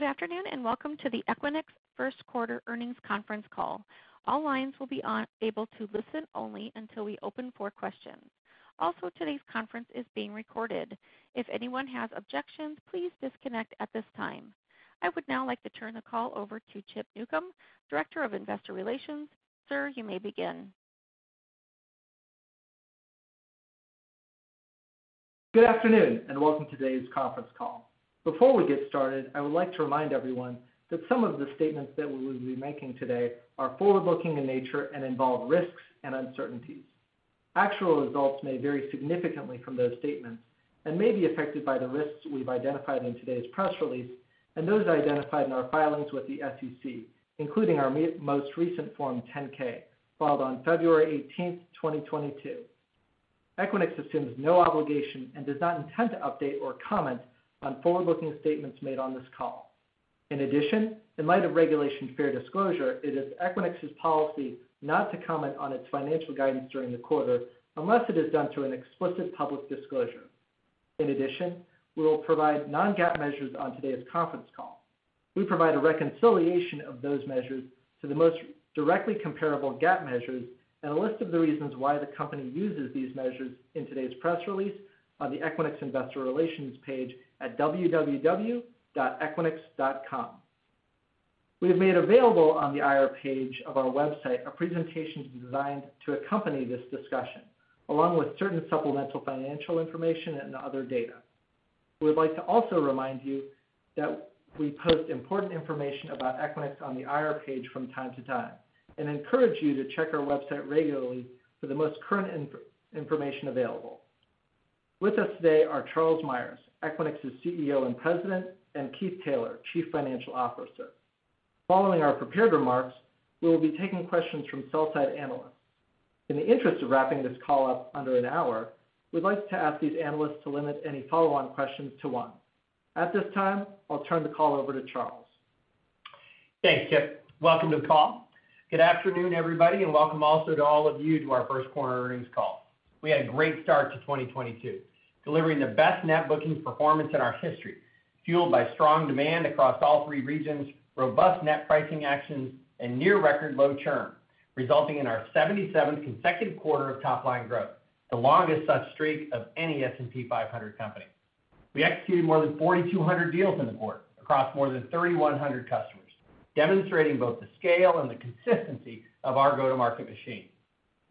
Good afternoon, and welcome to the Equinix First Quarter Earnings conference call. All lines will be able to listen only until we open for questions. Also, today's conference is being recorded. If anyone has objections, please disconnect at this time. I would now like to turn the call over to Chip Newcom, Director, Investor Relations. Sir, you may begin. Good afternoon, and welcome to today's conference call. Before we get started, I would like to remind everyone that some of the statements that we will be making today are forward-looking in nature and involve risks and uncertainties. Actual results may vary significantly from those statements and may be affected by the risks we've identified in today's press release and those identified in our filings with the SEC, including our most recent Form 10-K filed on February 18, 2022. Equinix assumes no obligation and does not intend to update or comment on forward-looking statements made on this call. In addition, in light of Regulation Fair Disclosure, it is Equinix's policy not to comment on its financial guidance during the quarter unless it is done through an explicit public disclosure. In addition, we will provide non-GAAP measures on today's conference call. We provide a reconciliation of those measures to the most directly comparable GAAP measures and a list of the reasons why the company uses these measures in today's press release on the Equinix Investor Relations page at www.equinix.com. We have made available on the IR page of our website a presentation designed to accompany this discussion, along with certain supplemental financial information and other data. We would like to also remind you that we post important information about Equinix on the IR page from time to time and encourage you to check our website regularly for the most current information available. With us today are Charles Meyers, Equinix's CEO and President, and Keith Taylor, Chief Financial Officer. Following our prepared remarks, we will be taking questions from sell side analysts. In the interest of wrapping this call up under an hour, we'd like to ask these analysts to limit any follow-on questions to one. At this time, I'll turn the call over to Charles. Thanks, Chip. Welcome to the call. Good afternoon, everybody, and welcome also to all of you to our first quarter earnings call. We had a great start to 2022, delivering the best net booking performance in our history, fueled by strong demand across all 3 regions, robust net pricing actions, and near record low churn, resulting in our 77th consecutive quarter of top-line growth, the longest such streak of any S&P 500 company. We executed more than 4,200 deals in the quarter across more than 3,100 customers, demonstrating both the scale and the consistency of our go-to-market machine.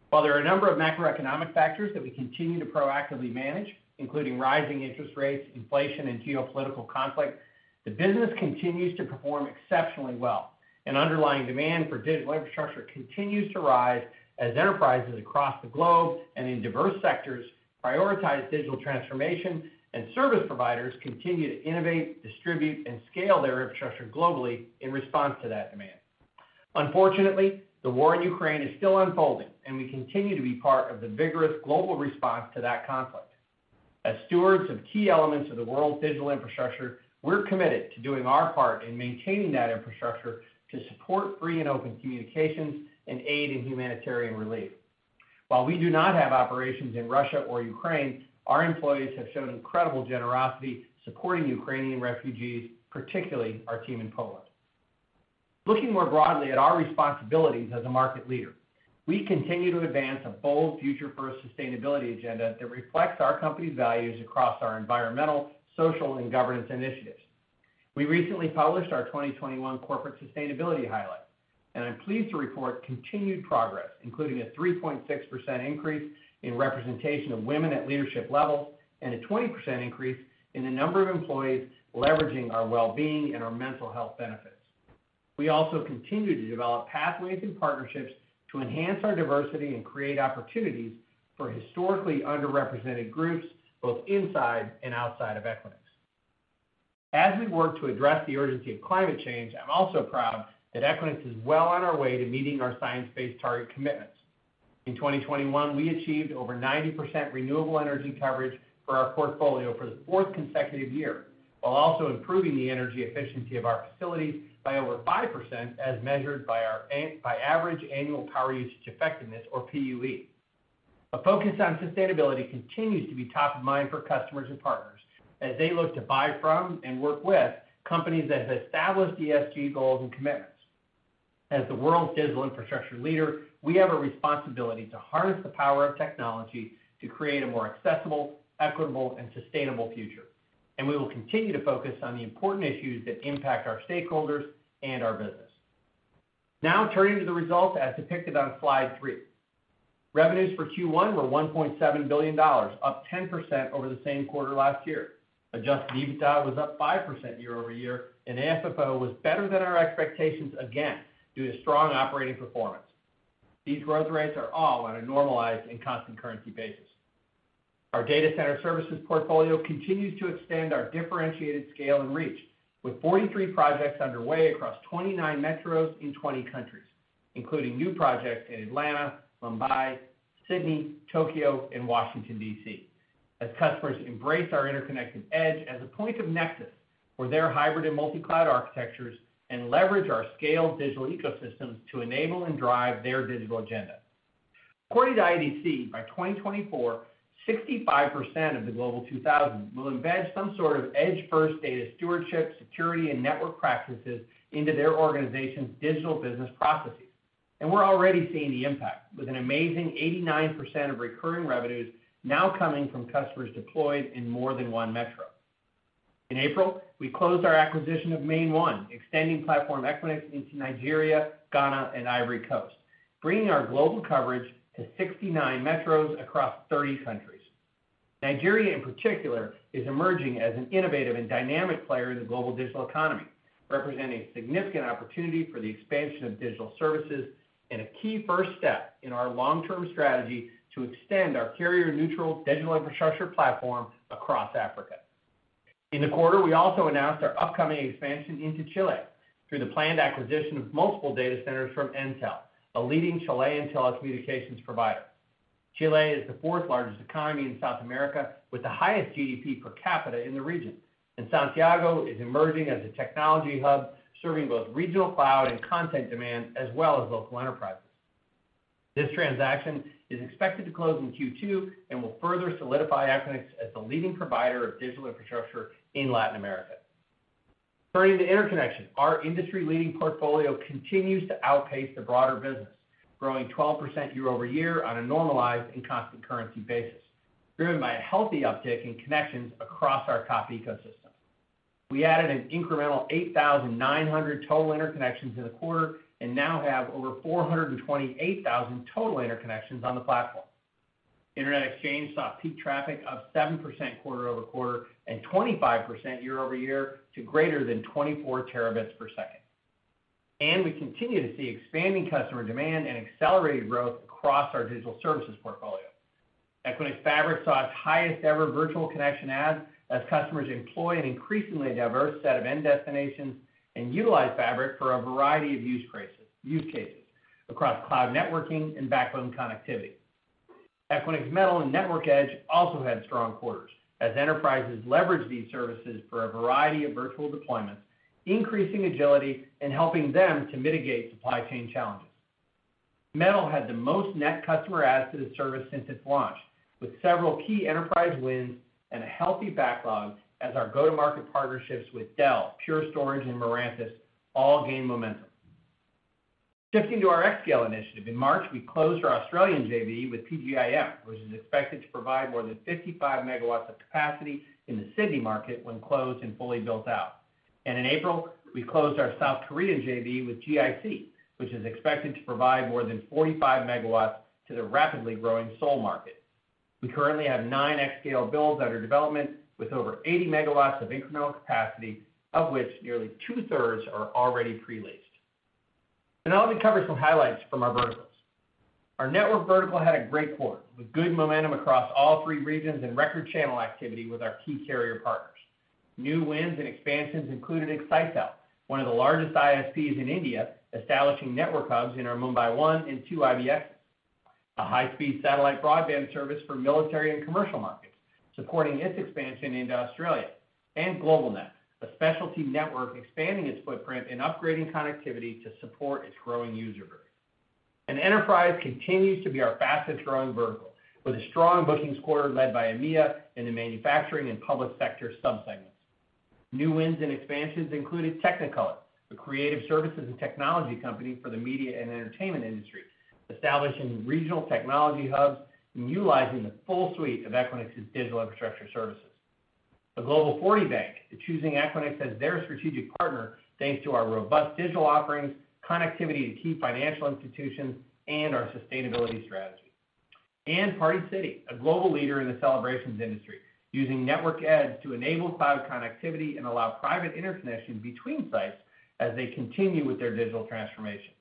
While there are a number of macroeconomic factors that we continue to proactively manage, including rising interest rates, inflation, and geopolitical conflict, the business continues to perform exceptionally well. Underlying demand for digital infrastructure continues to rise as enterprises across the globe and in diverse sectors prioritize digital transformation, and service providers continue to innovate, distribute, and scale their infrastructure globally in response to that demand. Unfortunately, the war in Ukraine is still unfolding, and we continue to be part of the vigorous global response to that conflict. As stewards of key elements of the world's digital infrastructure, we're committed to doing our part in maintaining that infrastructure to support free and open communications and aid in humanitarian relief. While we do not have operations in Russia or Ukraine, our employees have shown incredible generosity supporting Ukrainian refugees, particularly our team in Poland. Looking more broadly at our responsibilities as a market leader, we continue to advance a bold Future First sustainability agenda that reflects our company's values across our environmental, social, and governance initiatives. We recently published our 2021 corporate sustainability highlight, and I'm pleased to report continued progress, including a 3.6% increase in representation of women at leadership levels and a 20% increase in the number of employees leveraging our well-being and our mental health benefits. We also continue to develop pathways and partnerships to enhance our diversity and create opportunities for historically underrepresented groups both inside and outside of Equinix. As we work to address the urgency of climate change, I'm also proud that Equinix is well on our way to meeting our science-based target commitments. In 2021, we achieved over 90% renewable energy coverage for our portfolio for the fourth consecutive year while also improving the energy efficiency of our facilities by over 5% as measured by average annual power usage effectiveness or PUE. A focus on sustainability continues to be top of mind for customers and partners as they look to buy from and work with companies that have established ESG goals and commitments. As the world's digital infrastructure leader, we have a responsibility to harness the power of technology to create a more accessible, equitable, and sustainable future, and we will continue to focus on the important issues that impact our stakeholders and our business. Now turning to the results as depicted on Slide three. Revenues for Q1 were $1.7 billion, up 10% over the same quarter last year. Adjusted EBITDA was up 5% year-over-year, and AFFO was better than our expectations again due to strong operating performance. These growth rates are all on a normalized and constant currency basis. Our data center services portfolio continues to extend our differentiated scale and reach with 43 projects underway across 29 metros in 20 countries, including new projects in Atlanta, Mumbai, Sydney, Tokyo, and Washington, D.C. As customers embrace our interconnected edge as a point of nexus for their hybrid and multi-cloud architectures and leverage our scaled digital ecosystems to enable and drive their digital agenda. According to IDC, by 2024, 65% of the Global 2000 will embed some sort of edge-first data stewardship, security, and network practices into their organization's digital business processes. We're already seeing the impact, with an amazing 89% of recurring revenues now coming from customers deployed in more than one metro. In April, we closed our acquisition of MainOne, extending Platform Equinix into Nigeria, Ghana, and Ivory Coast, bringing our global coverage to 69 metros across 30 countries. Nigeria in particular is emerging as an innovative and dynamic player in the global digital economy, representing a significant opportunity for the expansion of digital services and a key first step in our long-term strategy to extend our carrier-neutral digital infrastructure platform across Africa. In the quarter, we also announced our upcoming expansion into Chile through the planned acquisition of multiple data centers from Entel, a leading Chilean telecommunications provider. Chile is the fourth-largest economy in South America with the highest GDP per capita in the region, and Santiago is emerging as a technology hub, serving both regional cloud and content demand as well as local enterprises. This transaction is expected to close in Q2 and will further solidify Equinix as the leading provider of digital infrastructure in Latin America. Turning to interconnection, our industry-leading portfolio continues to outpace the broader business, growing 12% year-over-year on a normalized and constant currency basis, driven by a healthy uptick in connections across our top ecosystem. We added an incremental 8,900 total interconnections in the quarter and now have over 428,000 total interconnections on the platform. Internet Exchange saw peak traffic of 7% quarter-over-quarter and 25% year-over-year to greater than 24 Tbps. We continue to see expanding customer demand and accelerated growth across our digital services portfolio. Equinix Fabric saw its highest ever virtual connection add as customers employ an increasingly diverse set of end destinations and utilize Fabric for a variety of use cases across cloud networking and backbone connectivity. Equinix Metal and Network Edge also had strong quarters as enterprises leveraged these services for a variety of virtual deployments, increasing agility and helping them to mitigate supply chain challenges. Metal had the most net customer adds to the service since its launch, with several key enterprise wins and a healthy backlog as our go-to-market partnerships with Dell, Pure Storage, and Mirantis all gained momentum. Shifting to our xScale initiative. In March, we closed our Australian JV with PGIM, which is expected to provide more than 55 megawatts of capacity in the Sydney market when closed and fully built out. In April, we closed our South Korean JV with GIC, which is expected to provide more than 45 megawatts to the rapidly growing Seoul market. We currently have nine xScale builds under development with over 80 megawatts of incremental capacity, of which nearly two-thirds are already pre-leased. Now let me cover some highlights from our verticals. Our network vertical had a great quarter with good momentum across all 3 regions and record channel activity with our key carrier partners. New wins and expansions included Excitel, one of the largest ISPs in India, establishing network hubs in our Mumbai 1 and 2 IBX. A high-speed satellite broadband service for military and commercial markets, supporting its expansion into Australia. Globalstar, a specialty network expanding its footprint and upgrading connectivity to support its growing user base. Enterprise continues to be our fastest-growing vertical, with a strong bookings quarter led by EMEA in the manufacturing and public sector subsegments. New wins and expansions included Technicolor, the creative services and technology company for the media and entertainment industry, establishing regional technology hubs and utilizing the full suite of Equinix's digital infrastructure services. A Global 40 bank is choosing Equinix as their strategic partner thanks to our robust digital offerings, connectivity to key financial institutions, and our sustainability strategy. Party City, a global leader in the celebrations industry, using Network Edge to enable cloud connectivity and allow private interconnection between sites as they continue with their digital transformation.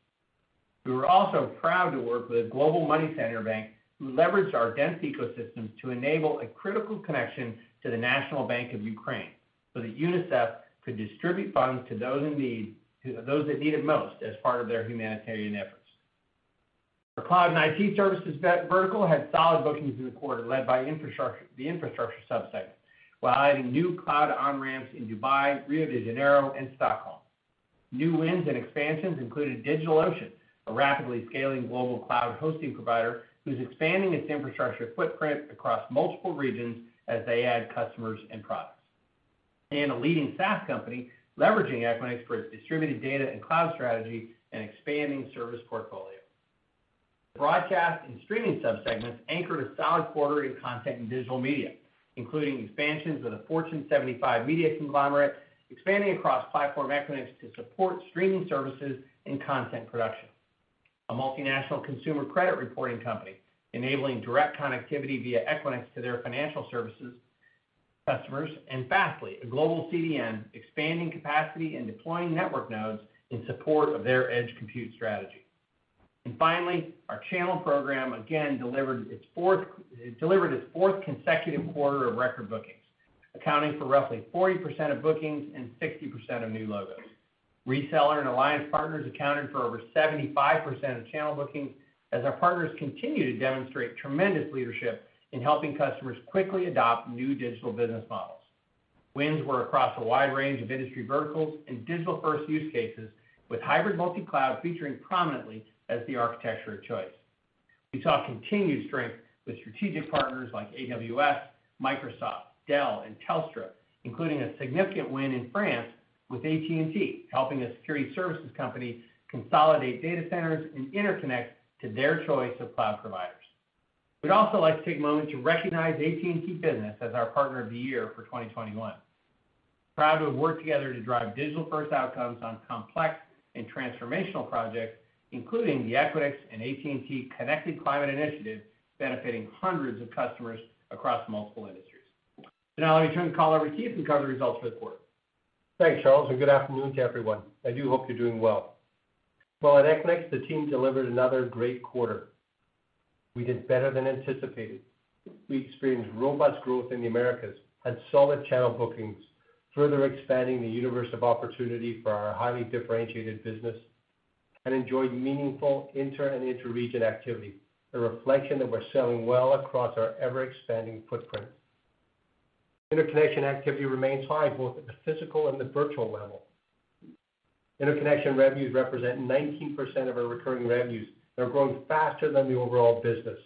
We were also proud to work with a global money center bank who leveraged our dense ecosystems to enable a critical connection to the National Bank of Ukraine so that UNICEF could distribute funds to those in need, to those that need it most as part of their humanitarian efforts. Our cloud and IT services vertical had solid bookings in the quarter led by the infrastructure subsegment, while adding new cloud on-ramps in Dubai, Rio de Janeiro, and Stockholm. New wins and expansions included DigitalOcean, a rapidly scaling global cloud hosting provider who's expanding its infrastructure footprint across multiple regions as they add customers and products. A leading SaaS company leveraging Equinix for its distributed data and cloud strategy and expanding service portfolio. Broadcast and streaming subsegments anchored a solid quarter in content and digital media, including expansions with a Fortune 75 media conglomerate expanding across Platform Equinix to support streaming services and content production. A multinational consumer credit reporting company enabling direct connectivity via Equinix to their financial services customers. Fastly, a global CDN expanding capacity and deploying network nodes in support of their edge compute strategy. Finally, our channel program again delivered its fourth consecutive quarter of record bookings, accounting for roughly 40% of bookings and 60% of new logos. Reseller and alliance partners accounted for over 75% of channel bookings as our partners continue to demonstrate tremendous leadership in helping customers quickly adopt new digital business models. Wins were across a wide range of industry verticals and digital-first use cases with hybrid multi-cloud featuring prominently as the architecture of choice. We saw continued strength with strategic partners like AWS, Microsoft, Dell, and Telstra, including a significant win in France with AT&T, helping a security services company consolidate data centers and interconnect to their choice of cloud providers. We'd also like to take a moment to recognize AT&T Business as our partner of the year for 2021. Proud to have worked together to drive digital-first outcomes on complex and transformational projects, including the Equinix and AT&T Connected Climate Initiative, benefiting hundreds of customers across multiple industries. Now let me turn the call over to Keith who can cover the results for the quarter. Thanks, Charles, and good afternoon to everyone. I do hope you're doing well. Well, at Equinix, the team delivered another great quarter. We did better than anticipated. We experienced robust growth in the Americas, had solid channel bookings, further expanding the universe of opportunity for our highly differentiated business, and enjoyed meaningful inter and intra-region activity, a reflection that we're selling well across our ever-expanding footprint. Interconnection activity remains high, both at the physical and the virtual level. Interconnection revenues represent 19% of our recurring revenues. They're growing faster than the overall business.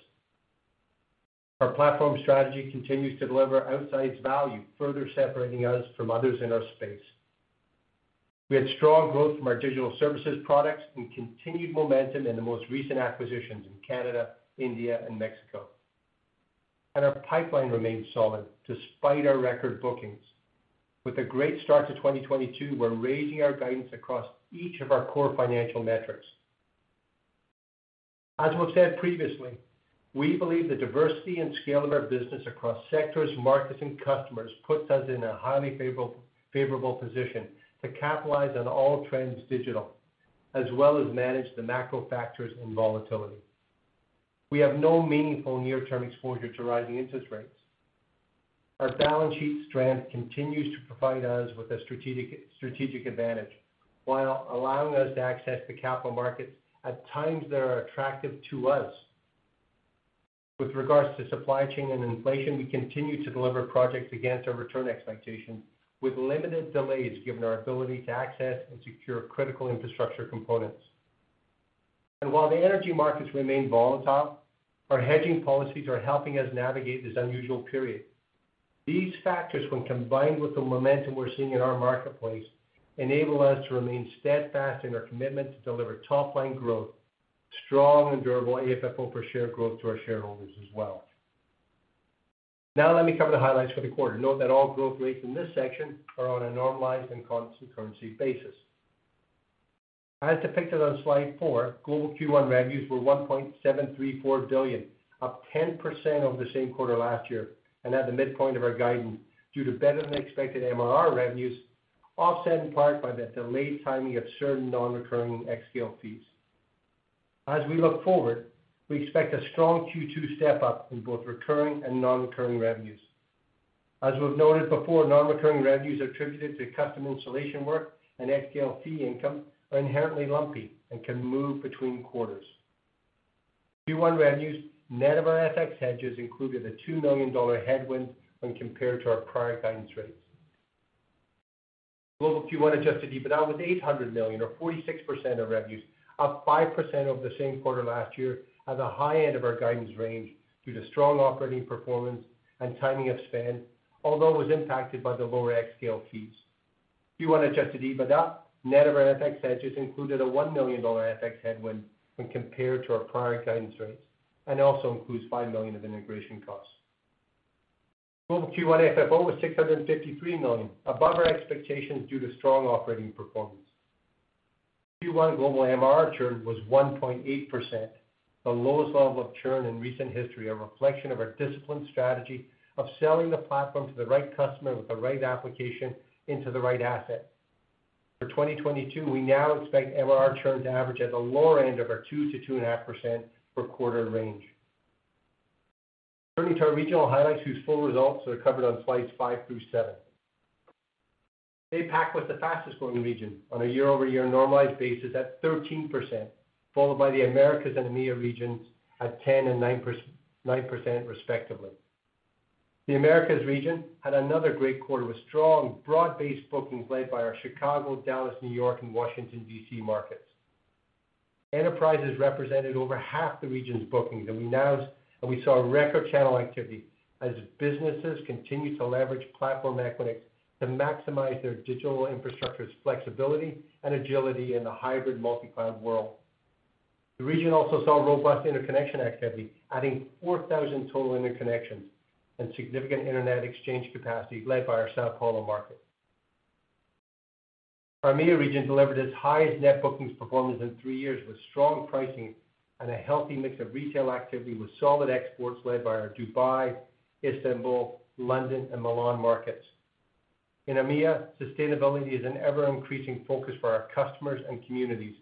Our platform strategy continues to deliver outsized value, further separating us from others in our space. We had strong growth from our digital services products and continued momentum in the most recent acquisitions in Canada, India, and Mexico. Our pipeline remains solid despite our record bookings. With a great start to 2022, we're raising our guidance across each of our core financial metrics. As we've said previously, we believe the diversity and scale of our business across sectors, markets, and customers puts us in a highly favorable position to capitalize on all trends digital, as well as manage the macro factors and volatility. We have no meaningful near-term exposure to rising interest rates. Our balance sheet strength continues to provide us with a strategic advantage while allowing us to access the capital markets at times that are attractive to us. With regards to supply chain and inflation, we continue to deliver projects against our return expectations with limited delays given our ability to access and secure critical infrastructure components. While the energy markets remain volatile, our hedging policies are helping us navigate this unusual period. These factors, when combined with the momentum we're seeing in our marketplace, enable us to remain steadfast in our commitment to deliver top-line growth, strong and durable AFFO per share growth to our shareholders as well. Now let me cover the highlights for the quarter. Note that all growth rates in this section are on a normalized and constant currency basis. As depicted on Slide four, global Q1 revenues were $1.734 billion, up 10% over the same quarter last year, and at the midpoint of our guidance due to better-than-expected MRR revenues, offset in part by the delayed timing of certain non-recurring xScale fees. As we look forward, we expect a strong Q2 step-up in both recurring and non-recurring revenues. As we've noted before, non-recurring revenues attributed to custom installation work and xScale fee income are inherently lumpy and can move between quarters. Q1 revenues, net of our FX hedges, included a $2 million headwind when compared to our prior guidance rates. Global Q1 adjusted EBITDA was $800 million or 46% of revenues, up 5% over the same quarter last year at the high end of our guidance range due to strong operating performance and timing of spend, although it was impacted by the lower xScale fees. Q1 adjusted EBITDA, net of our FX hedges, included a $1 million FX headwind when compared to our prior guidance rates, and also includes $5 million of integration costs. Global Q1 FFO was $653 million, above our expectations due to strong operating performance. Q1 global MRR churn was 1.8%, the lowest level of churn in recent history, a reflection of our disciplined strategy of selling the platform to the right customer with the right application into the right asset. For 2022, we now expect MRR churn to average at the lower end of our 2%-2.5% per quarter range. Turning to our regional highlights whose full results are covered on Slides five through 7. APAC was the fastest-growing region on a year-over-year normalized basis at 13%, followed by the Americas and EMEA regions at 10% and 9%, 9% respectively. The Americas region had another great quarter with strong broad-based bookings led by our Chicago, Dallas, New York, and Washington, D.C. markets. Enterprises represented over half the region's bookings, and we saw record channel activity as businesses continue to leverage Platform Equinix to maximize their digital infrastructure's flexibility and agility in the hybrid multi-cloud world. The region also saw robust interconnection activity, adding 4,000 total interconnections and significant internet exchange capacity led by our São Paulo market. Our EMEA region delivered its highest net bookings performance in three years with strong pricing and a healthy mix of retail activity with solid exports led by our Dubai, Istanbul, London, and Milan markets. In EMEA, sustainability is an ever-increasing focus for our customers and communities,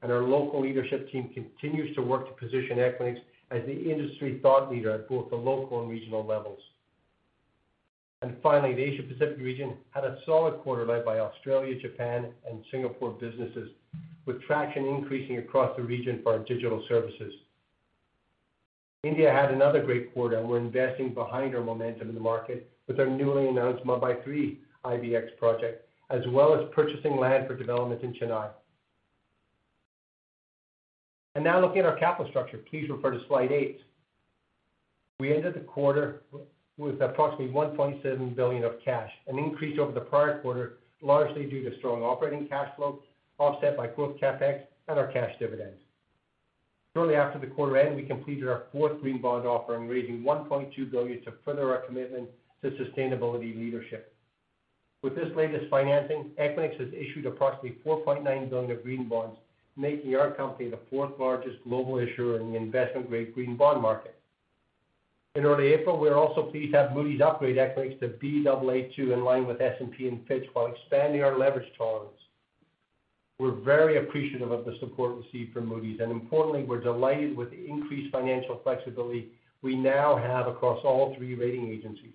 and our local leadership team continues to work to position Equinix as the industry thought leader at both the local and regional levels. Finally, the Asia Pacific region had a solid quarter led by Australia, Japan, and Singapore businesses, with traction increasing across the region for our digital services. India had another great quarter, and we're investing behind our momentum in the market with our newly announced Mumbai Three IBX project, as well as purchasing land for development in Chennai. Now looking at our capital structure, please refer to Slide eight. We ended the quarter with approximately $1.7 billion of cash, an increase over the prior quarter, largely due to strong operating cash flow, offset by growth CapEx and our cash dividends. Shortly after the quarter end, we completed our fourth green bond offering, raising $1.2 billion to further our commitment to sustainability leadership. With this latest financing, Equinix has issued approximately $4.9 billion of green bonds, making our company the fourth largest global issuer in the investment-grade green bond market. In early April, we are also pleased to have Moody's upgrade Equinix to Baa2 in line with S&P and Fitch while expanding our leverage tolerance. We're very appreciative of the support received from Moody's, and importantly, we're delighted with the increased financial flexibility we now have across all three rating agencies.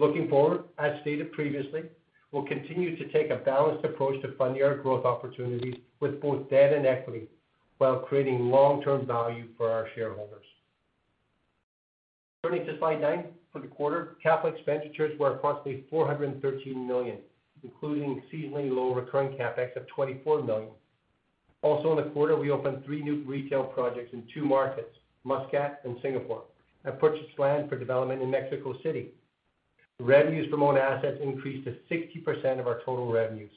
Looking forward, as stated previously, we'll continue to take a balanced approach to funding our growth opportunities with both debt and equity while creating long-term value for our shareholders. Turning to Slide nine, for the quarter, capital expenditures were approximately $413 million, including seasonally low recurring CapEx of $24 million. In the quarter, we opened 3 new retail projects in 2 markets, Muscat and Singapore, and purchased land for development in Mexico City. Revenues from owned assets increased to 60% of our total revenues.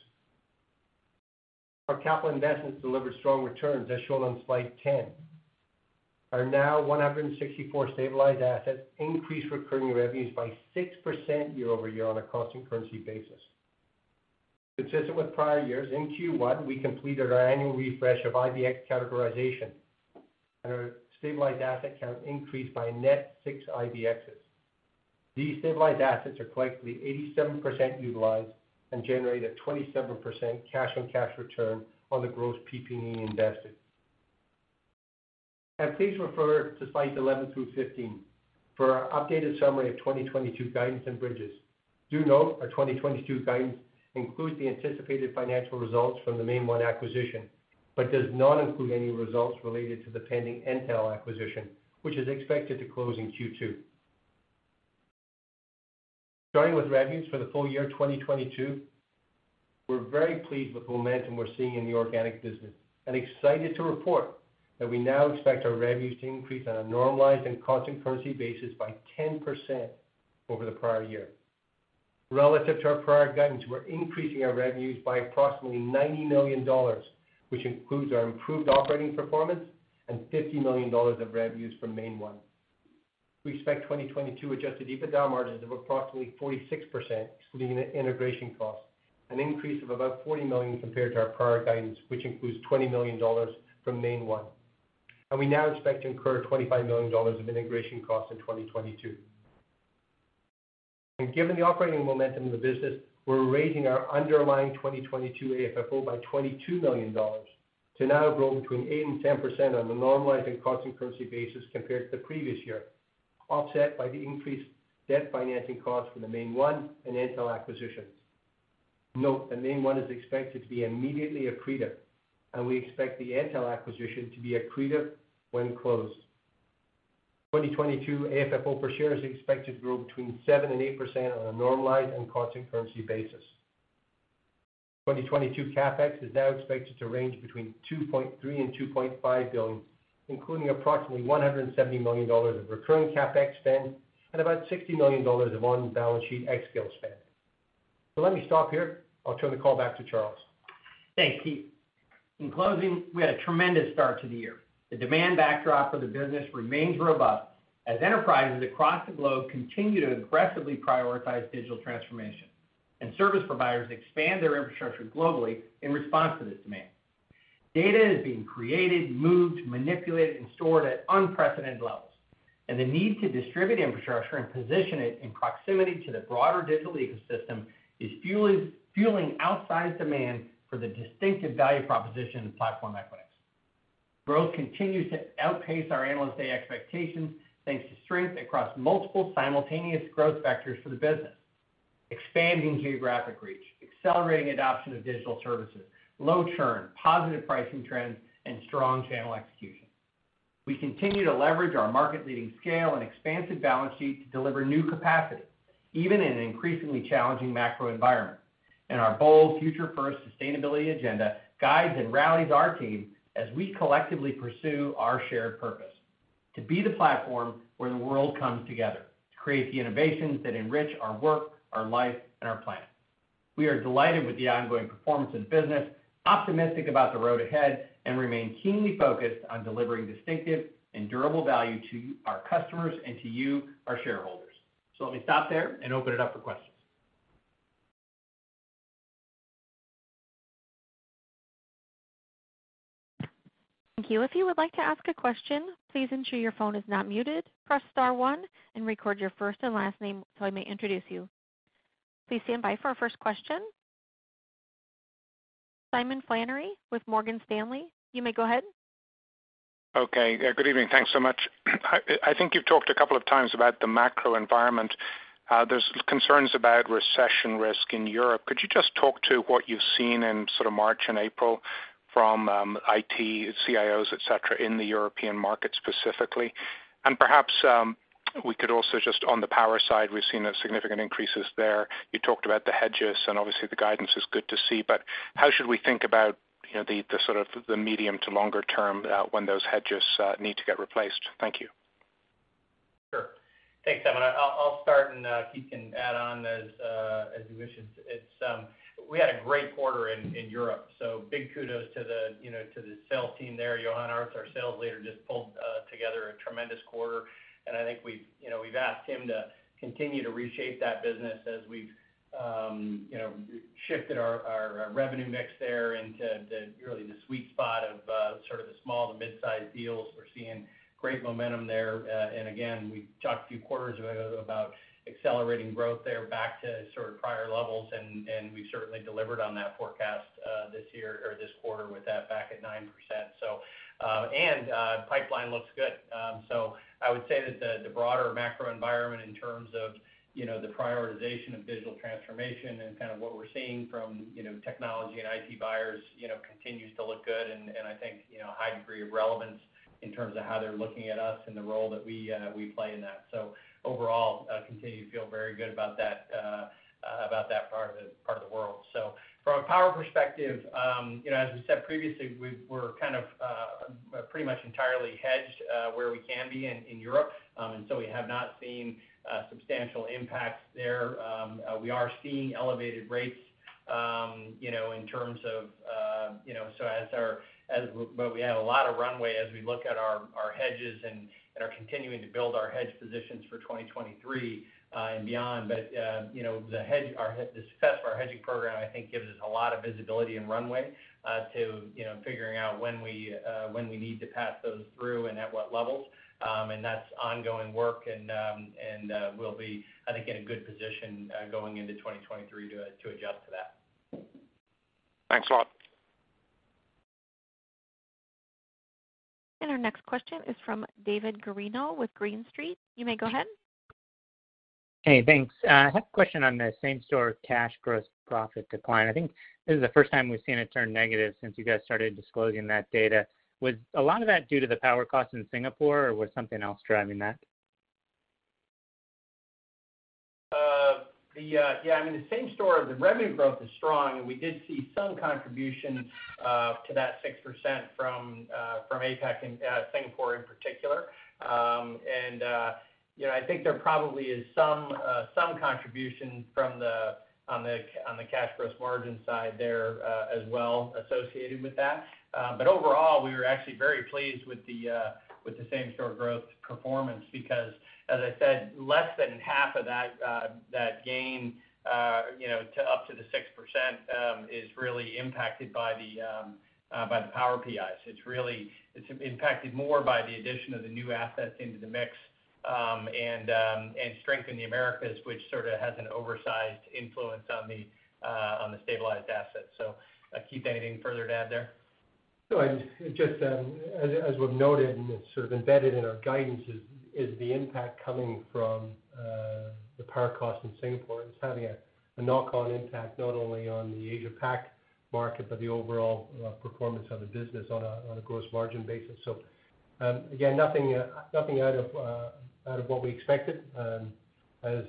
Our capital investments delivered strong returns, as shown on Slide 10. Our now 164 stabilized assets increased recurring revenues by 6% year-over-year on a constant currency basis. Consistent with prior years, in Q1, we completed our annual refresh of IBX categorization, and our stabilized asset count increased by a net 6 IBXs. These stabilized assets are collectively 87% utilized and generate a 27% cash-on-cash return on the gross PP&E invested. Please refer to Slides 11 through 15 for our updated summary of 2022 guidance and bridges. Note our 2022 guidance includes the anticipated financial results from the MainOne acquisition, but does not include any results related to the pending Entel acquisition, which is expected to close in Q2. Starting with revenues for the full year 2022, we're very pleased with the momentum we're seeing in the organic business and excited to report that we now expect our revenues to increase on a normalized and constant currency basis by 10% over the prior year. Relative to our prior guidance, we're increasing our revenues by approximately $90 million, which includes our improved operating performance and $50 million of revenues from MainOne. We expect 2022 adjusted EBITDA margins of approximately 46% excluding the integration costs, an increase of about $40 million compared to our prior guidance, which includes $20 million from MainOne. We now expect to incur $25 million of integration costs in 2022. Given the operating momentum of the business, we're raising our underlying 2022 AFFO by $22 million to now grow between 8%-10% on a normalized and constant currency basis compared to the previous year, offset by the increased debt financing costs for the MainOne and Entel acquisitions. Note that MainOne is expected to be immediately accretive, and we expect the Entel acquisition to be accretive when closed. 2022 AFFO per share is expected to grow between 7%-8% on a normalized and constant currency basis. 2022 CapEx is now expected to range between $2.3 billion-$2.5 billion, including approximately $170 million of recurring CapEx spend and about $60 million of on-balance sheet xScale spend. Let me stop here. I'll turn the call back to Charles. Thanks, Keith. In closing, we had a tremendous start to the year. The demand backdrop for the business remains robust as enterprises across the globe continue to aggressively prioritize digital transformation and service providers expand their infrastructure globally in response to this demand. Data is being created, moved, manipulated, and stored at unprecedented levels, and the need to distribute infrastructure and position it in proximity to the broader digital ecosystem is fueling outsized demand for the distinctive value proposition of Platform Equinix. Growth continues to outpace our Analyst Day expectations, thanks to strength across multiple simultaneous growth vectors for the business, expanding geographic reach, accelerating adoption of digital services, low churn, positive pricing trends, and strong channel execution. We continue to leverage our market-leading scale and expansive balance sheet to deliver new capacity, even in an increasingly challenging macro environment. Our bold Future First sustainability agenda guides and rallies our team as we collectively pursue our shared purpose: to be the platform where the world comes together to create the innovations that enrich our work, our life, and our planet. We are delighted with the ongoing performance of the business, optimistic about the road ahead, and remain keenly focused on delivering distinctive and durable value to our customers and to you, our shareholders. Let me stop there and open it up for questions. Thank you. If you would like to ask a question, please ensure your phone is not muted, press star one, and record your first and last name so I may introduce you. Please stand by for our first question. Simon Flannery with Morgan Stanley, you may go ahead. Okay. Good evening. Thanks so much. I think you've talked a couple of times about the macro environment. There's concerns about recession risk in Europe. Could you just talk to what you've seen in sort of March and April from IT, CIOs, et cetera, in the European market specifically? And perhaps we could also just on the power side, we've seen significant increases there. You talked about the hedges, and obviously, the guidance is good to see. How should we think about, you know, the sort of the medium to longer term, when those hedges need to get replaced? Thank you. Sure. Thanks, Simon. I'll start, and Keith can add on as he wishes. We had a great quarter in Europe, so big kudos to the you know sales team there. Johan Arntz, our sales leader, just pulled together a tremendous quarter. I think we've you know asked him to continue to reshape that business as we've you know shifted our revenue mix there into the really sweet spot of sort of the small to mid-size deals. We're seeing great momentum there. Again, we talked a few quarters ago about accelerating growth there back to sort of prior levels, and we've certainly delivered on that forecast this year or this quarter with that back at 9%. Pipeline looks good. I would say that the broader macro environment in terms of, you know, the prioritization of digital transformation and kind of what we're seeing from, you know, technology and IT buyers, you know, continues to look good and I think, you know, a high degree of relevance in terms of how they're looking at us and the role that we play in that. Overall, continue to feel very good about that, about that part of the world. From a power perspective, you know, as we said previously, we're kind of pretty much entirely hedged, where we can be in Europe. We have not seen substantial impacts there. We are seeing elevated rates, you know, in terms of, you know, but we have a lot of runway as we look at our hedges and are continuing to build our hedge positions for 2023 and beyond. The success of our hedging program, I think, gives us a lot of visibility and runway to, you know, figuring out when we need to pass those through and at what levels. That's ongoing work and we'll be, I think, in a good position going into 2023 to adjust to that. Thanks a lot. Our next question is from David Guarino with Green Street. You may go ahead. Hey, thanks. I have a question on the same-store cash gross profit decline. I think this is the first time we've seen it turn negative since you guys started disclosing that data. Was a lot of that due to the power cost in Singapore, or was something else driving that? I mean, the same-store revenue growth is strong, and we did see some contribution to that 6% from APAC and Singapore in particular. You know, I think there probably is some contribution from the cash gross margin side there as well associated with that. Overall, we were actually very pleased with the same-store growth performance because, as I said, less than half of that gain you know up to the 6% is really impacted by the power PPIs. It's really impacted more by the addition of the new assets into the mix and strength in the Americas, which sort of has an oversized influence on the stabilized assets. Keith, anything further to add there? No, I just, as we've noted, and it's sort of embedded in our guidance, is the impact coming from the power cost in Singapore. It's having a knock-on impact, not only on the Asia Pac market, but the overall performance of the business on a gross margin basis. Again, nothing out of what we expected. As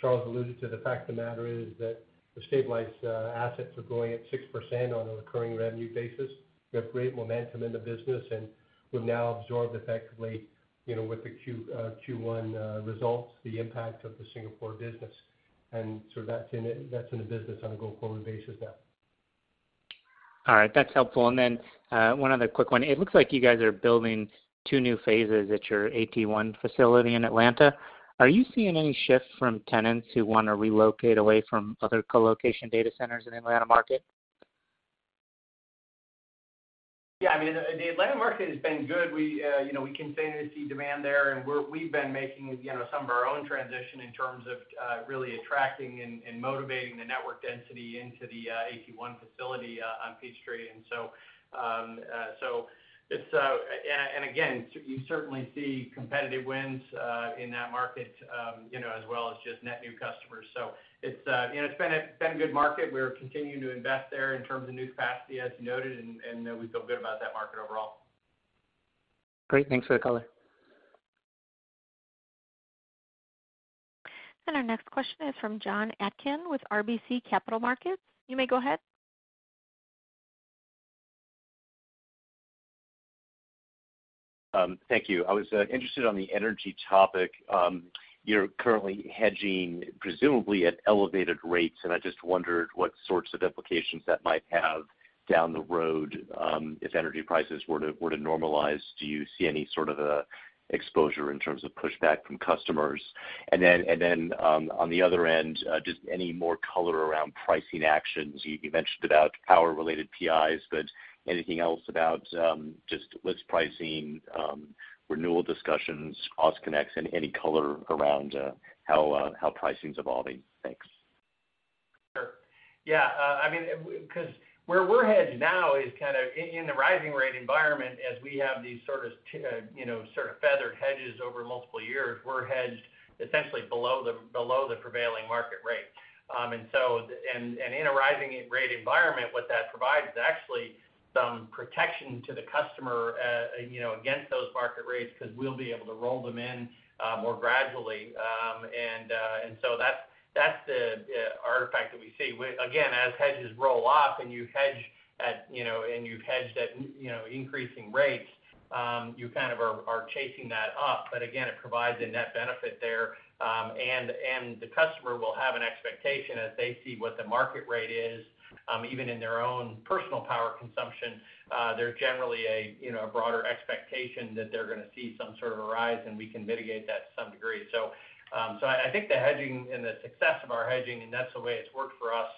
Charles alluded to, the fact of the matter is that the stabilized assets are growing at 6% on a recurring revenue basis. We have great momentum in the business, and we've now absorbed effectively, you know, with the Q1 results, the impact of the Singapore business. That's in the business on a go-forward basis now. All right. That's helpful. One other quick one. It looks like you guys are building two new phases at your AT1 facility in Atlanta. Are you seeing any shift from tenants who want to relocate away from other colocation data centers in Atlanta market? Yeah. I mean, the Atlanta market has been good. We you know we continue to see demand there, and we've been making you know some of our own transition in terms of really attracting and motivating the network density into the AT1 facility on Peachtree. You certainly see competitive wins in that market you know as well as just net new customers. It's you know it's been a good market. We're continuing to invest there in terms of new capacity, as you noted, and we feel good about that market overall. Great. Thanks for the color. Our next question is from Jon Atkin with RBC Capital Markets. You may go ahead. Thank you. I was interested on the energy topic. You're currently hedging presumably at elevated rates, and I just wondered what sorts of implications that might have down the road, if energy prices were to normalize. Do you see any sort of exposure in terms of pushback from customers? On the other end, just any more color around pricing actions. You mentioned about power-related PPIs, but anything else about just list pricing, renewal discussions, cross connects, and any color around how pricing's evolving? Thanks. I mean, because where we're hedged now is kind of in the rising rate environment as we have these sort of, you know, sort of feathered hedges over multiple years, we're hedged essentially below the prevailing market rate. In a rising rate environment, what that provides is actually some protection to the customer, you know, against those market rates because we'll be able to roll them in more gradually. That's the artifact that we see. Again, as hedges roll off and you hedge at increasing rates, you kind of are chasing that up. Again, it provides a net benefit there. The customer will have an expectation as they see what the market rate is, even in their own personal power consumption, there's generally a, you know, a broader expectation that they're gonna see some sort of a rise, and we can mitigate that to some degree. I think the hedging and the success of our hedging, and that's the way it's worked for us,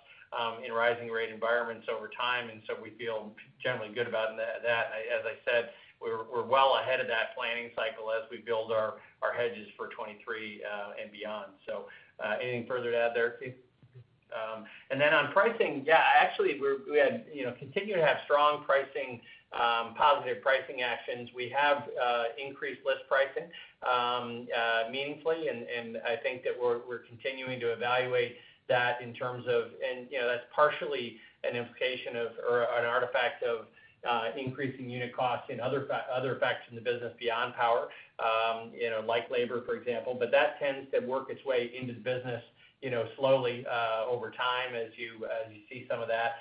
in rising rate environments over time. We feel generally good about that. As I said, we're well ahead of that planning cycle as we build our hedges for 2023 and beyond. Anything further to add there, Keith? Then on pricing, yeah, actually we continue to have, you know, strong pricing, positive pricing actions. We have increased list pricing meaningfully, and I think that we're continuing to evaluate that in terms of. You know, that's partially an implication of, or an artifact of, increasing unit costs and other effects in the business beyond power, you know, like labor, for example. But that tends to work its way into the business, you know, slowly, over time as you see some of that.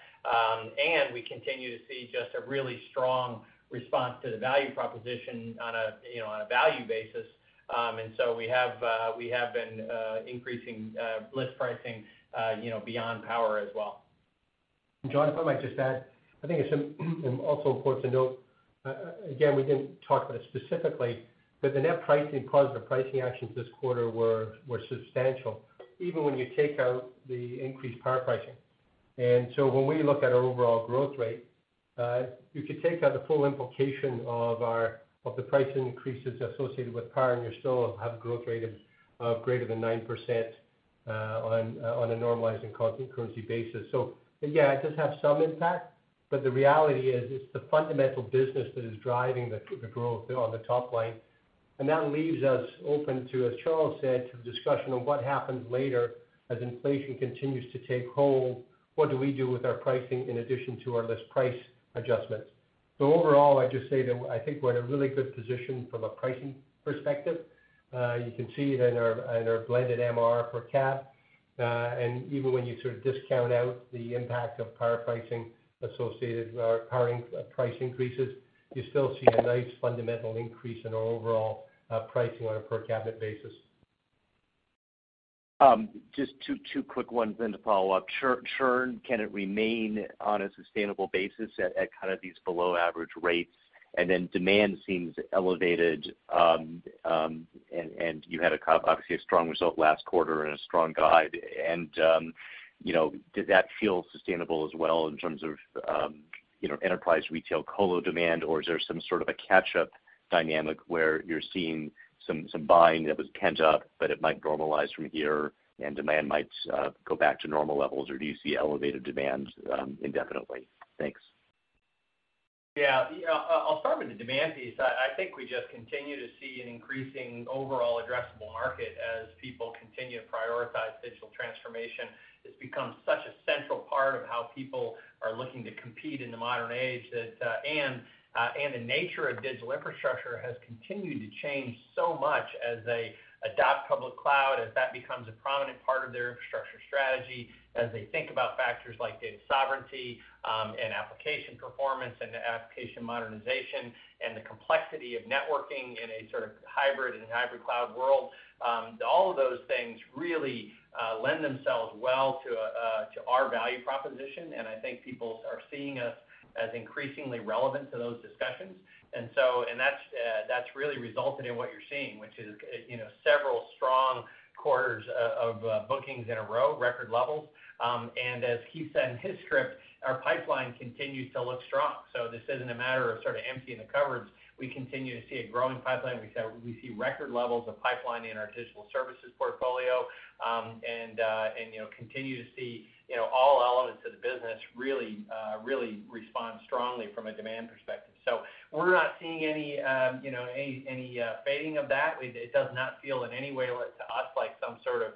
We continue to see just a really strong response to the value proposition on a, you know, on a value basis. We have been increasing list pricing, you know, beyond power as well. John, if I might just add, I think it's also important to note, again, we didn't talk about it specifically, but the net pricing and positive pricing actions this quarter were substantial, even when you take out the increased power pricing. When we look at our overall growth rate, you could take out the full implication of the pricing increases associated with power, and you still have growth rate of greater than 9%, on a normalizing currency basis. Yeah, it does have some impact, but the reality is it's the fundamental business that is driving the growth there on the top line. That leaves us open to, as Charles said, to the discussion of what happens later as inflation continues to take hold, what do we do with our pricing in addition to our list price adjustments? Overall, I'd just say that I think we're in a really good position from a pricing perspective. You can see it in our blended MRR per cab. Even when you sort of discount out the impact of power pricing associated with our power price increases, you still see a nice fundamental increase in our overall pricing on a per cab basis. Just two quick ones then to follow up. Churn can it remain on a sustainable basis at kind of these below average rates? Demand seems elevated, and you had obviously a strong result last quarter and a strong guide, you know, did that feel sustainable as well in terms of, you know, enterprise retail colo demand? Or is there some sort of a catch-up dynamic where you're seeing some buying that was pent up, but it might normalize from here and demand might go back to normal levels? Or do you see elevated demand indefinitely? Thanks. I'll start with the demand piece. I think we just continue to see an increasing overall addressable market as people continue to prioritize digital transformation. It's become such a central part of how people are looking to compete in the modern age that and the nature of digital infrastructure has continued to change so much as they adopt public cloud, as that becomes a prominent part of their infrastructure strategy, as they think about factors like data sovereignty, and application performance and application modernization and the complexity of networking in a sort of hybrid cloud world. All of those things really lend themselves well to our value proposition, and I think people are seeing us as increasingly relevant to those discussions. That's really resulted in what you're seeing, which is, you know, several strong quarters of bookings in a row, record levels. As Keith said in his script, our pipeline continues to look strong. This isn't a matter of sort of emptying the cupboards. We continue to see a growing pipeline. We see record levels of pipeline in our digital services portfolio and continue to see, you know, all elements of the business really respond strongly from a demand perspective. We're not seeing any, you know, fading of that. It does not feel in any way to us like some sort of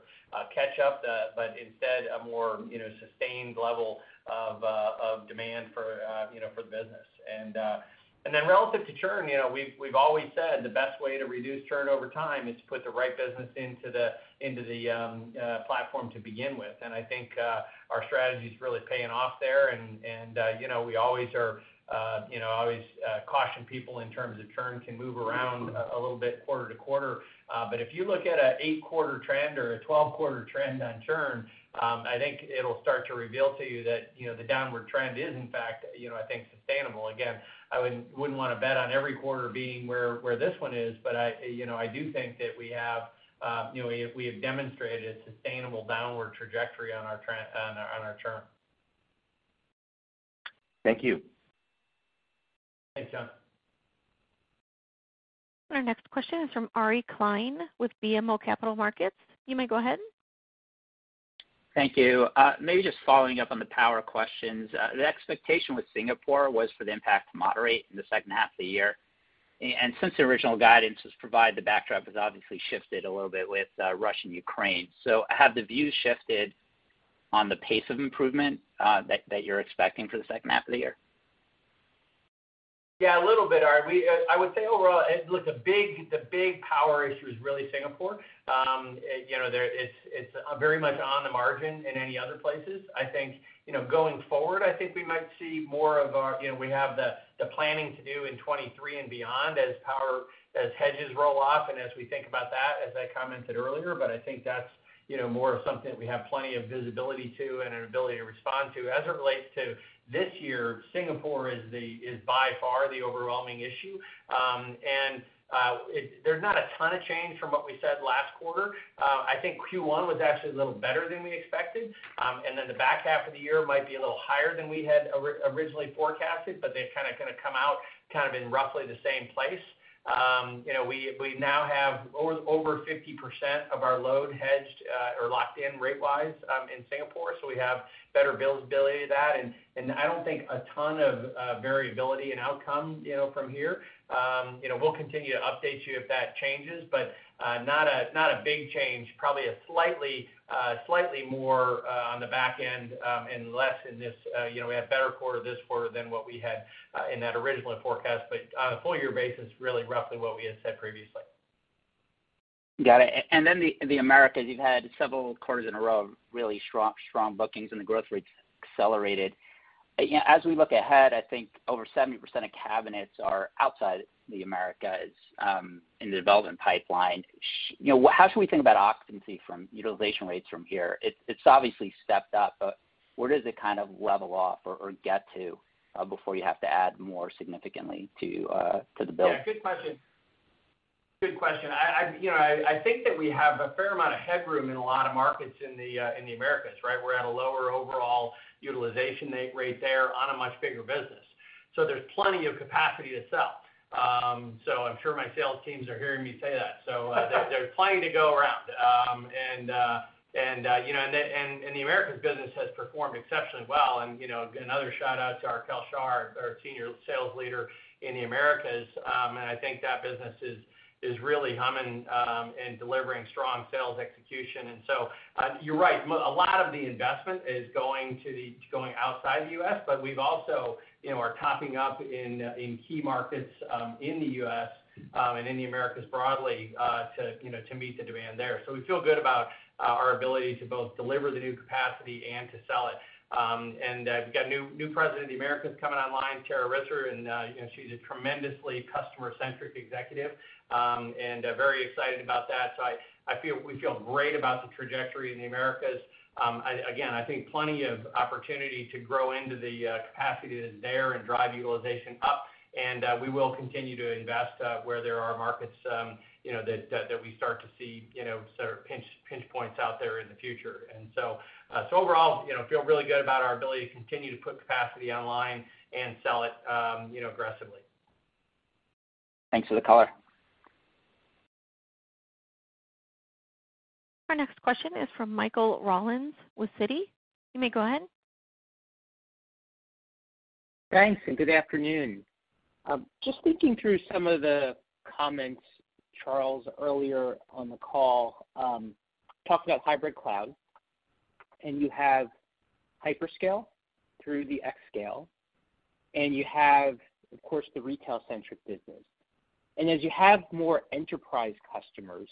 catch up, but instead a more, you know, sustained level of demand for, you know, for the business. Relative to churn, you know, we've always said the best way to reduce churn over time is to put the right business into the platform to begin with. I think our strategy is really paying off there. You know, we always caution people in terms of churn can move around a little bit quarter to quarter. If you look at an 8-quarter trend or a 12-quarter trend on churn, I think it'll start to reveal to you that, you know, the downward trend is in fact, you know, I think sustainable. Again, I wouldn't want to bet on every quarter being where this one is. I, you know, I do think that we have demonstrated a sustainable downward trajectory on our churn. Thank you. Thanks, Jon. Our next question is from Ari Klein with BMO Capital Markets. You may go ahead. Thank you. Maybe just following up on the power questions. The expectation with Singapore was for the impact to moderate in the second half of the year. And since the original guidance was provided, the backdrop has obviously shifted a little bit with Russia and Ukraine. Have the views shifted on the pace of improvement that you're expecting for the second half of the year? Yeah, a little bit, Ari. I would say overall, look, the big power issue is really Singapore. You know, there, it's very much on the margin in any other places. I think, you know, going forward, I think we might see more of our planning to do in 2023 and beyond as power hedges roll off and as we think about that, as I commented earlier. I think that's, you know, more of something that we have plenty of visibility to and an ability to respond to. As it relates to this year, Singapore is by far the overwhelming issue. There's not a ton of change from what we said last quarter. I think Q1 was actually a little better than we expected. The back half of the year might be a little higher than we had originally forecasted, but they've kind of gonna come out kind of in roughly the same place. You know, we now have over 50% of our load hedged or locked in rate-wise in Singapore, so we have better visibility to that. I don't think a ton of variability in outcome, you know, from here. You know, we'll continue to update you if that changes, but not a big change. Probably a slightly more on the back end and less in this, you know, we had a better quarter this quarter than what we had in that original forecast. On a full year basis, really roughly what we had said previously. Got it. The Americas, you've had several quarters in a row of really strong bookings and the growth rate's accelerated. You know, as we look ahead, I think over 70% of cabinets are outside the Americas in the development pipeline. You know, how should we think about occupancy from utilization rates from here? It's obviously stepped up, but where does it kind of level off or get to before you have to add more significantly to the build? Yeah, good question. You know, I think that we have a fair amount of headroom in a lot of markets in the Americas, right? We're at a lower overall utilization rate there on a much bigger business. There's plenty of capacity to sell. I'm sure my sales teams are hearing me say that. There's plenty to go around. You know, the Americas business has performed exceptionally well. You know, another shout-out to Raquel Sahar, our Senior Sales Leader in the Americas. I think that business is really humming and delivering strong sales execution. You're right, a lot of the investment is going outside the US, but we've also, you know, are topping up in key markets in the US and in the Americas broadly to meet the demand there. We feel good about our ability to both deliver the new capacity and to sell it. We've got a new President of the Americas coming online, Tara Risser, and you know, she's a tremendously customer-centric executive and very excited about that. We feel great about the trajectory in the Americas. I think plenty of opportunity to grow into the capacity that is there and drive utilization up. We will continue to invest where there are markets, you know, that we start to see, you know, sort of pinch points out there in the future. Overall, you know, feel really good about our ability to continue to put capacity online and sell it, you know, aggressively. Thanks for the color. Our next question is from Michael Rollins with Citi. You may go ahead. Thanks, good afternoon. Just thinking through some of the comments, Charles, earlier on the call, talking about hybrid cloud. You have hyperscale through the xScale, and you have, of course, the retail-centric business. As you have more enterprise customers,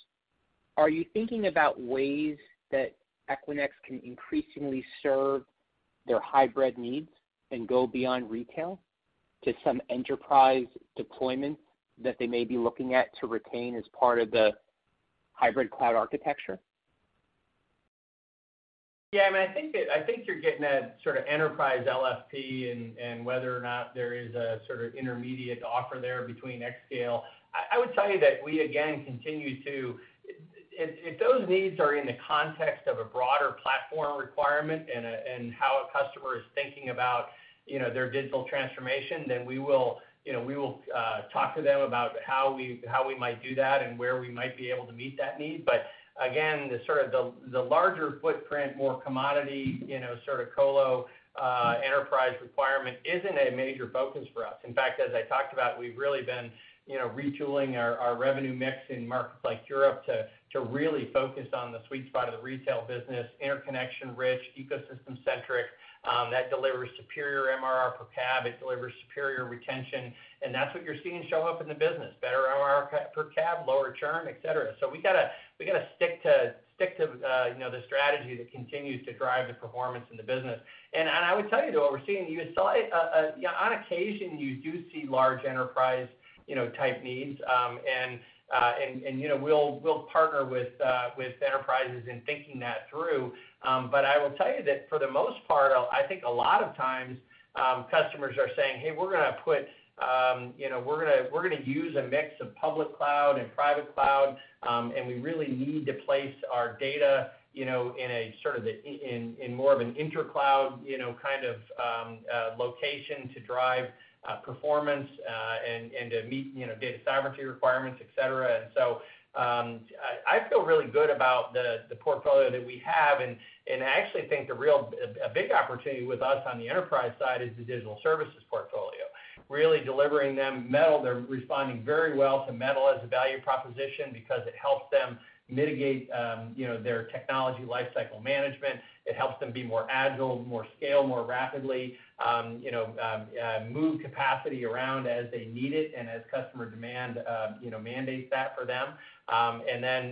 are you thinking about ways that Equinix can increasingly serve their hybrid needs and go beyond retail to some enterprise deployments that they may be looking at to retain as part of the hybrid cloud architecture? Yeah, I mean, I think you're getting at sort of enterprise LFP and whether or not there is a sort of intermediate offer there between xScale. I would tell you that we again continue to if those needs are in the context of a broader platform requirement and how a customer is thinking about, you know, their digital transformation, then we will, you know, talk to them about how we might do that and where we might be able to meet that need. But again, the sort of larger footprint, more commodity, you know, sort of colo enterprise requirement isn't a major focus for us. In fact, as I talked about, we've really been, you know, retooling our revenue mix in markets like Europe to really focus on the sweet spot of the retail business, interconnection-rich, ecosystem-centric, that delivers superior MRR per cab, it delivers superior retention, and that's what you're seeing show up in the business. Better MRR per cab, lower churn, et cetera. We gotta stick to, you know, the strategy that continues to drive the performance in the business. I would tell you though what we're seeing, you saw a, you know, on occasion you do see large enterprise, you know, type needs. You know, we'll partner with enterprises in thinking that through. I will tell you that for the most part, I think a lot of times, customers are saying, "Hey, we're gonna use a mix of public cloud and private cloud, and we really need to place our data, you know, in more of an intercloud, you know, kind of location to drive performance, and to meet, you know, data sovereignty requirements, et cetera." I feel really good about the portfolio that we have, and I actually think a big opportunity with us on the enterprise side is the digital services portfolio. Really delivering them Metal. They're responding very well to Metal as a value proposition because it helps them mitigate, you know, their technology lifecycle management. It helps them be more agile, more scale, more rapidly, you know, move capacity around as they need it and as customer demand, you know, mandates that for them.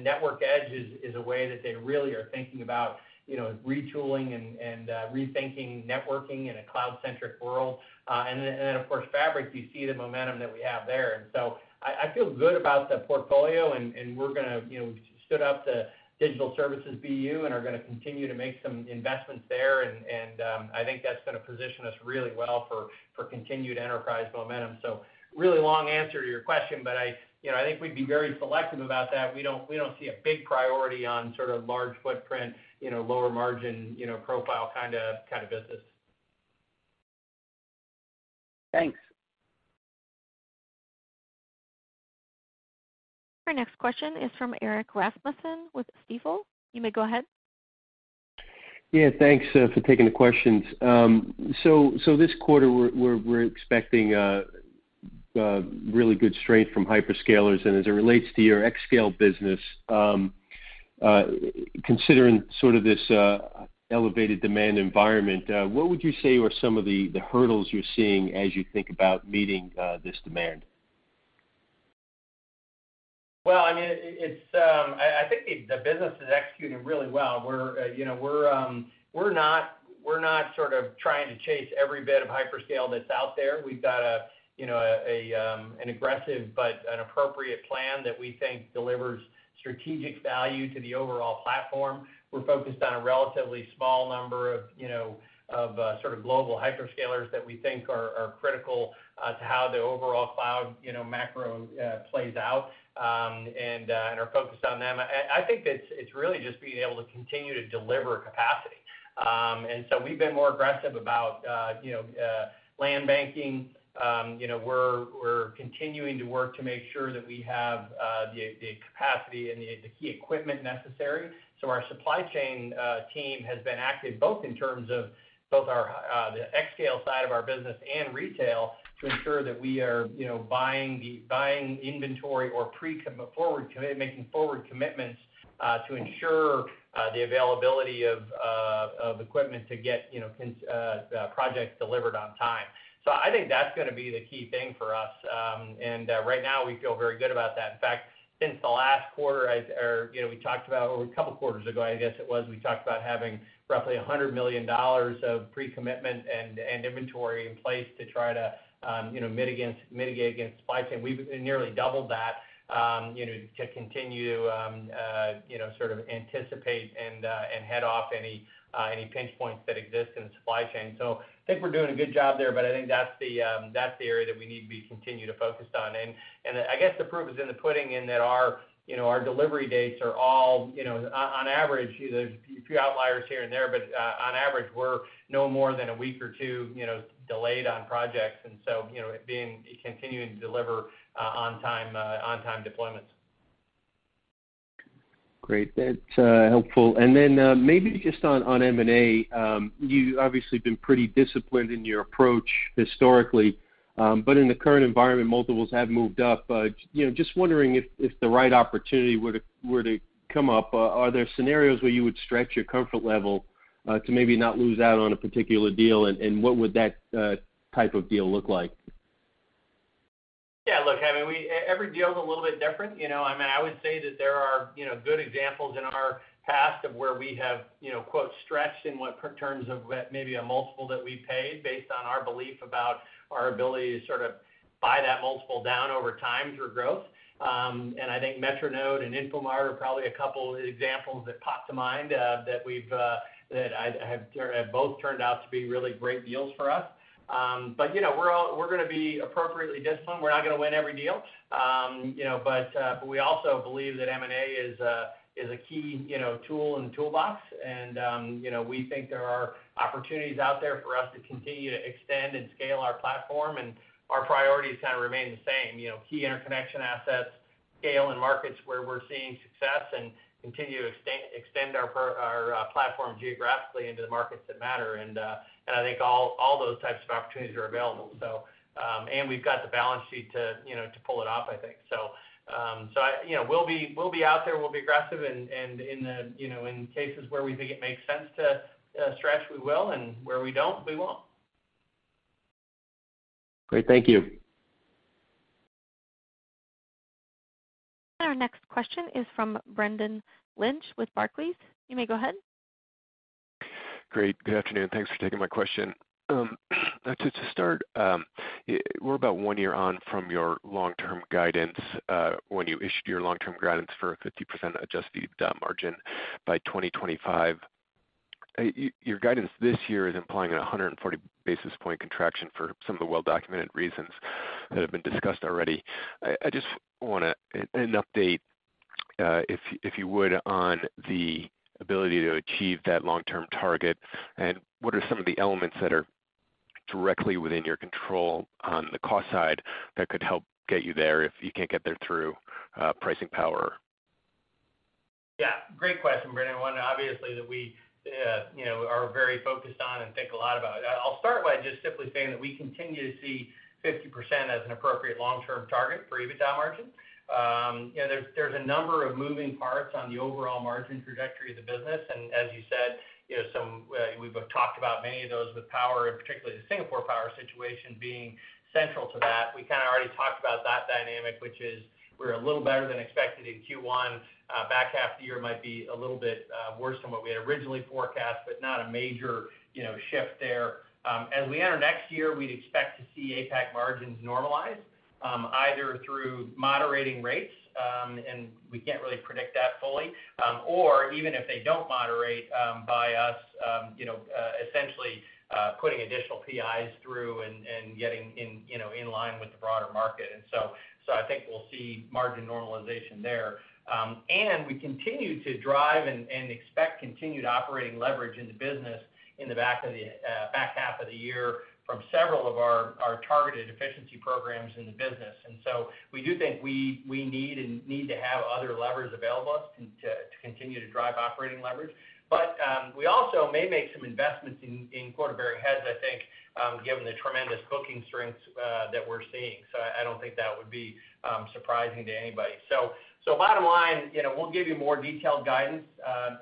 Network Edge is a way that they really are thinking about, you know, retooling and rethinking networking in a cloud-centric world. Of course, Fabric, you see the momentum that we have there. I feel good about the portfolio and we're gonna, you know, stood up the digital services BU and are gonna continue to make some investments there and I think that's gonna position us really well for continued enterprise momentum. Really long answer to your question, but I, you know, I think we'd be very selective about that. We don't see a big priority on sort of large footprint, you know, lower margin, you know, profile kinda business. Thanks. Our next question is from Erik Rasmussen with Stifel. You may go ahead. Yeah. Thanks for taking the questions. This quarter we're expecting really good strength from hyperscalers. As it relates to your xScale business, considering sort of this elevated demand environment, what would you say are some of the hurdles you're seeing as you think about meeting this demand? Well, I mean, I think the business is executing really well. You know, we're not sort of trying to chase every bit of hyperscale that's out there. We've got you know an aggressive but an appropriate plan that we think delivers strategic value to the overall platform. We're focused on a relatively small number of you know sort of global hyperscalers that we think are critical to how the overall cloud you know macro plays out and are focused on them. I think that it's really just being able to continue to deliver capacity. We've been more aggressive about you know land banking. You know, we're continuing to work to make sure that we have the capacity and the key equipment necessary. Our supply chain team has been active, both in terms of our xScale side of our business and retail, to ensure that we are you know buying inventory or making forward commitments to ensure the availability of equipment to get you know projects delivered on time. I think that's gonna be the key thing for us. Right now we feel very good about that. In fact, since the last quarter, as You know, we talked about a couple quarters ago, I guess it was. We talked about having roughly $100 million of pre-commitment and inventory in place to try to, you know, mitigate against supply chain. We've nearly doubled that, you know, to continue to sort of anticipate and head off any pinch points that exist in the supply chain. So I think we're doing a good job there, but I think that's the area that we need to continue to focus on. I guess the proof is in the pudding in that our, you know, our delivery dates are all, you know, on average. There's a few outliers here and there, but on average, we're no more than a week or two, you know, delayed on projects. You know, continuing to deliver on-time deployments. Great. That's helpful. Maybe just on M&A, you've obviously been pretty disciplined in your approach historically, but in the current environment, multiples have moved up. You know, just wondering if the right opportunity were to come up, are there scenarios where you would stretch your comfort level to maybe not lose out on a particular deal? What would that type of deal look like? Yeah, look, I mean, every deal is a little bit different, you know. I mean, I would say that there are, you know, good examples in our past of where we have, you know, quote, “stretched” in terms of maybe a multiple that we paid based on our belief about our ability to sort of buy that multiple down over time through growth. I think Metronode and Infomart are probably a couple examples that pop to mind that have both turned out to be really great deals for us. You know, we're gonna be appropriately disciplined. We're not gonna win every deal. You know, we also believe that M&A is a key tool in the toolbox. You know, we think there are opportunities out there for us to continue to extend and scale our platform. Our priorities kind of remain the same. You know, key interconnection assets, scale in markets where we're seeing success and continue to extend our platform geographically into the markets that matter. I think all those types of opportunities are available. We've got the balance sheet to, you know, to pull it off, I think. I you know, we'll be out there, we'll be aggressive. In the you know, in cases where we think it makes sense to stretch, we will and where we don't, we won't. Great. Thank you. Our next question is from Brendan Lynch with Barclays. You may go ahead. Great. Good afternoon. Thanks for taking my question. We're about one year on from your long-term guidance when you issued your long-term guidance for a 50% adjusted margin by 2025. Your guidance this year is implying a 140 basis point contraction for some of the well-documented reasons that have been discussed already. I just want an update if you would on the ability to achieve that long-term target and what are some of the elements that are directly within your control on the cost side that could help get you there if you can't get there through pricing power? Yeah, great question, Brendan. One obviously that we, you know, are very focused on and think a lot about. I'll start by just simply saying that we continue to see 50% as an appropriate long-term target for EBITDA margin. You know, there's a number of moving parts on the overall margin trajectory of the business, and as you said, you know, some, we've talked about many of those with power and particularly the Singapore power situation being central to that. We kinda already talked about that dynamic, which is we're a little better than expected in Q1. Back half of the year might be a little bit worse than what we had originally forecast, but not a major, you know, shift there. As we enter next year, we'd expect to see APAC margins normalize, either through moderating rates, and we can't really predict that fully. Or even if they don't moderate, by us, you know, essentially, putting additional PPIs through and getting in, you know, in line with the broader market. I think we'll see margin normalization there. We continue to drive and expect continued operating leverage in the business in the back half of the year from several of our targeted efficiency programs in the business. We do think we need to have other levers available to us to continue to drive operating leverage. We also may make some investments in quota-bearing heads, I think, given the tremendous booking strengths that we're seeing. I don't think that would be surprising to anybody. Bottom line, you know, we'll give you more detailed guidance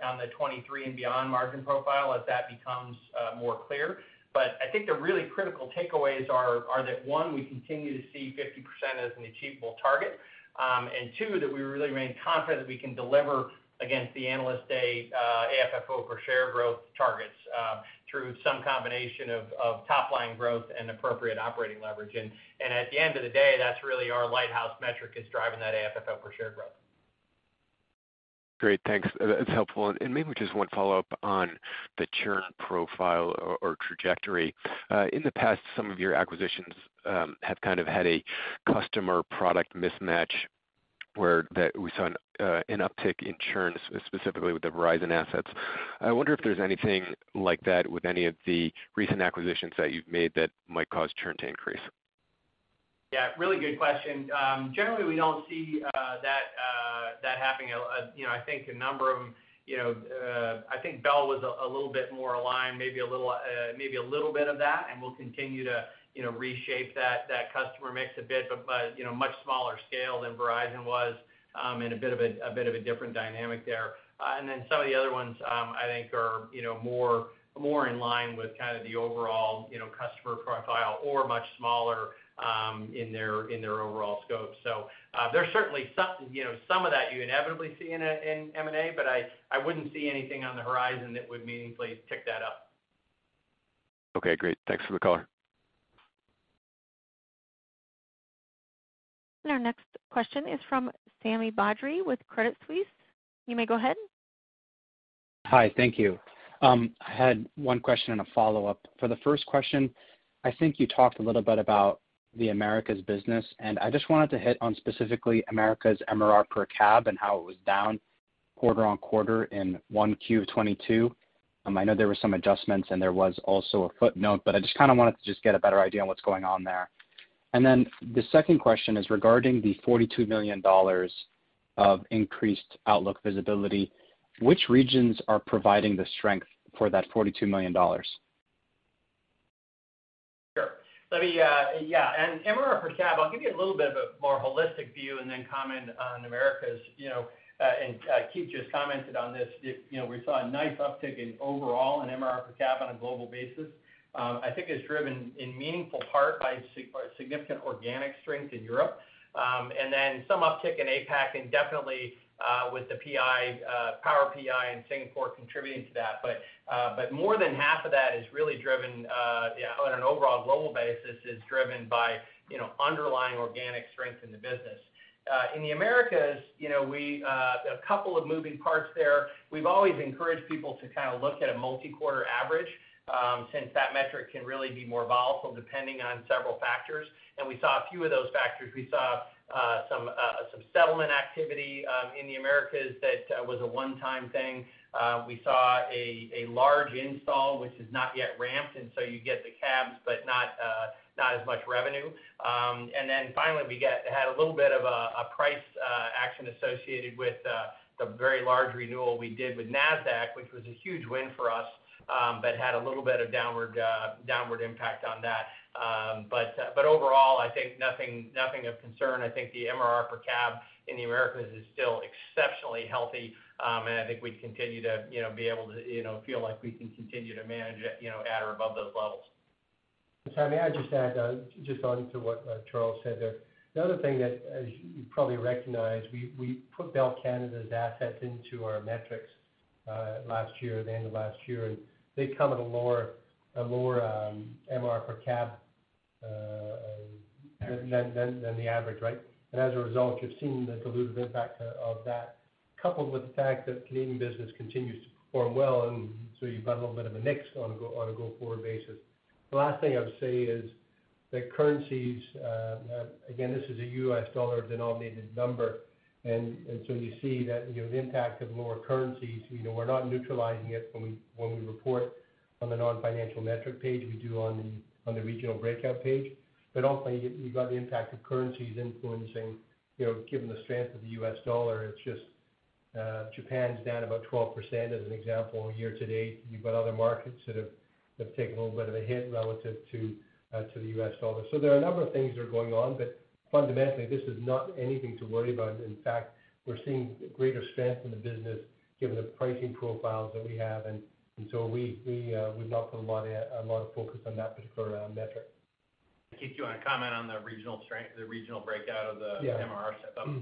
on the 2023 and beyond margin profile as that becomes more clear. I think the really critical takeaways are that, one, we continue to see 50% as an achievable target. And two, that we really remain confident that we can deliver against the Analyst Day AFFO per share growth targets through some combination of top line growth and appropriate operating leverage. At the end of the day, that's really our lighthouse metric is driving that AFFO per share growth. Great. Thanks. That's helpful. Maybe just one follow-up on the churn profile or trajectory. In the past, some of your acquisitions have kind of had a customer product mismatch where we saw an uptick in churn, specifically with the Verizon assets. I wonder if there's anything like that with any of the recent acquisitions that you've made that might cause churn to increase. Yeah, really good question. Generally, we don't see that happening. You know, I think a number of you know, I think Bell was a little bit more aligned, maybe a little bit of that, and we'll continue to you know, reshape that customer mix a bit, but you know, much smaller scale than Verizon was, and a bit of a different dynamic there. Then some of the other ones, I think are you know, more in line with kind of the overall you know, customer profile or much smaller in their overall scope. There's certainly some you know, some of that you inevitably see in M&A, but I wouldn't see anything on the horizon that would meaningfully tick that up. Okay, great. Thanks for the color. Our next question is from Sami Badri with Credit Suisse. You may go ahead. Hi, thank you. I had one question and a follow-up. For the first question, I think you talked a little bit about the Americas business, and I just wanted to hit on specifically Americas MRR per cab and how it was down quarter-over-quarter in 1Q of 2022. I know there were some adjustments and there was also a footnote, but I just kinda wanted to get a better idea on what's going on there. The second question is regarding the $42 million of increased outlook visibility. Which regions are providing the strength for that $42 million? Sure. Let me, yeah, MRR per cab, I'll give you a little bit of a more holistic view and then comment on Americas, you know, and, Keith just commented on this. If, you know, we saw a nice uptick in overall MRR per cab on a global basis. I think it's driven in meaningful part by significant organic strength in Europe. and then some uptick in APAC and definitely, with the PPIs, power PPIs in Singapore contributing to that. But more than half of that is really driven, on an overall global basis, is driven by, you know, underlying organic strength in the business. in the Americas, you know, we, a couple of moving parts there. We've always encouraged people to kind of look at a multi-quarter average, since that metric can really be more volatile depending on several factors. We saw a few of those factors. We saw some settlement activity in the Americas that was a one-time thing. We saw a large install which is not yet ramped, and so you get the cabs, but not as much revenue. Then finally, we had a little bit of a price action associated with the very large renewal we did with Nasdaq, which was a huge win for us, but had a little bit of downward impact on that. Overall, I think nothing of concern. I think the MRR per cab in the Americas is still exceptionally healthy. I think we continue to, you know, be able to, you know, feel like we can continue to manage it, you know, at or above those levels. Sami, I just add just onto what Charles said there. The other thing that, as you probably recognize, we put Bell Canada's assets into our metrics last year, at the end of last year, and they come at a lower MRR per cab than the average, right? As a result, you're seeing the dilutive impact of that, coupled with the fact that Canadian business continues to perform well, and so you've got a little bit of a mix on a go-forward basis. The last thing I would say is that currencies, again, this is a US dollar denominated number. You see that, you know, the impact of lower currencies, you know, we're not neutralizing it when we report on the non-financial metric page. We do on the regional breakout page. Also, you got the impact of currencies influencing, you know, given the strength of the U.S. dollar, it's just Japan's down about 12% as an example year-to-date. You've got other markets that have taken a little bit of a hit relative to the U.S. dollar. There are a number of things that are going on, but fundamentally, this is not anything to worry about. In fact, we're seeing greater strength in the business given the pricing profiles that we have. We've not put a lot of focus on that particular metric. Keith, do you wanna comment on the regional strength, the regional breakout of the? Yeah. MRR setup?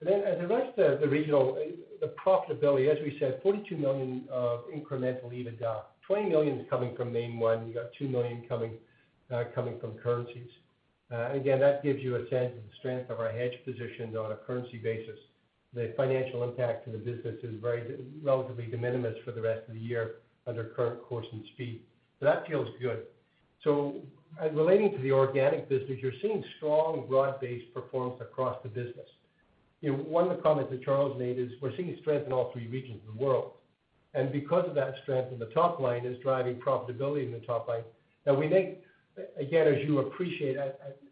Then as it relates to the regional, the profitability, as we said, $42 million of incremental EBITDA. $20 million is coming from MainOne. You got $2 million coming from currencies. Again, that gives you a sense of the strength of our hedge positions on a currency basis. The financial impact to the business is very relatively de minimis for the rest of the year under current course and speed. That feels good. Relating to the organic business, you're seeing strong broad-based performance across the business. You know, one of the comments that Charles made is we're seeing strength in all three regions of the world. Because of that strength in the top line is driving profitability in the top line. Now we make, again, as you appreciate,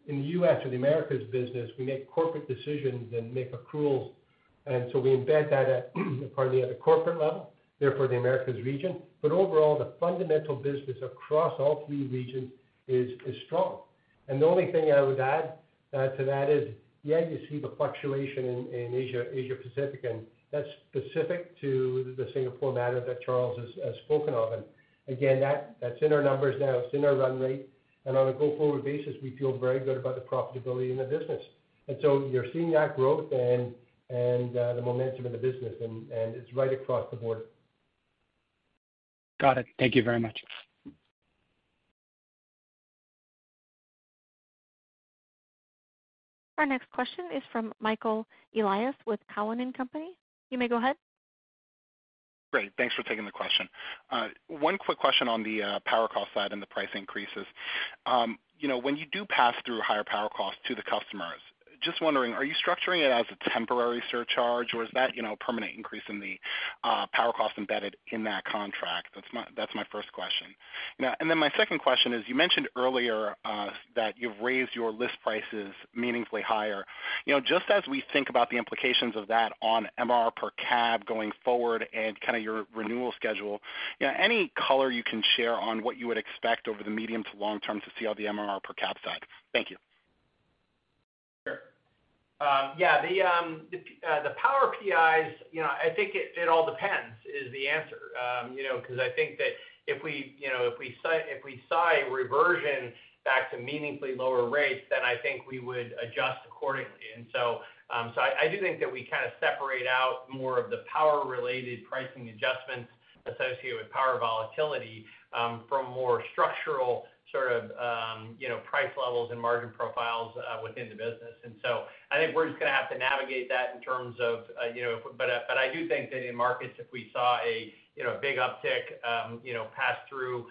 in the US or the Americas business, we make corporate decisions and make accruals. We embed that at, partly at a corporate level, therefore the Americas region. Overall, the fundamental business across all three regions is strong. The only thing I would add to that is, yeah, you see the fluctuation in Asia Pacific, and that's specific to the Singapore matter that Charles has spoken of. Again, that's in our numbers now. It's in our run rate. On a go-forward basis, we feel very good about the profitability in the business. You're seeing that growth and the momentum in the business, and it's right across the board. Got it. Thank you very much. Our next question is from Michael Elias with Cowen and Company. You may go ahead. Great. Thanks for taking the question. One quick question on the power cost side and the price increases. You know, when you do pass through higher power costs to the customers, just wondering, are you structuring it as a temporary surcharge, or is that, you know, a permanent increase in the power cost embedded in that contract? That's my first question. Now, my second question is, you mentioned earlier that you've raised your list prices meaningfully higher. You know, just as we think about the implications of that on MRR per cab going forward and your renewal schedule, you know, any color you can share on what you would expect over the medium to long term to see on the MRR per cab side? Thank you. Sure. The power PPIs, you know, I think it all depends is the answer. You know, 'cause I think that if we, you know, if we saw a reversion back to meaningfully lower rates, then I think we would adjust accordingly. I do think that we kinda separate out more of the power-related pricing adjustments associated with power volatility from more structural sort of you know price levels and margin profiles within the business. I think we're just gonna have to navigate that in terms of. I do think that in markets, if we saw a, you know, big uptick, you know, pass through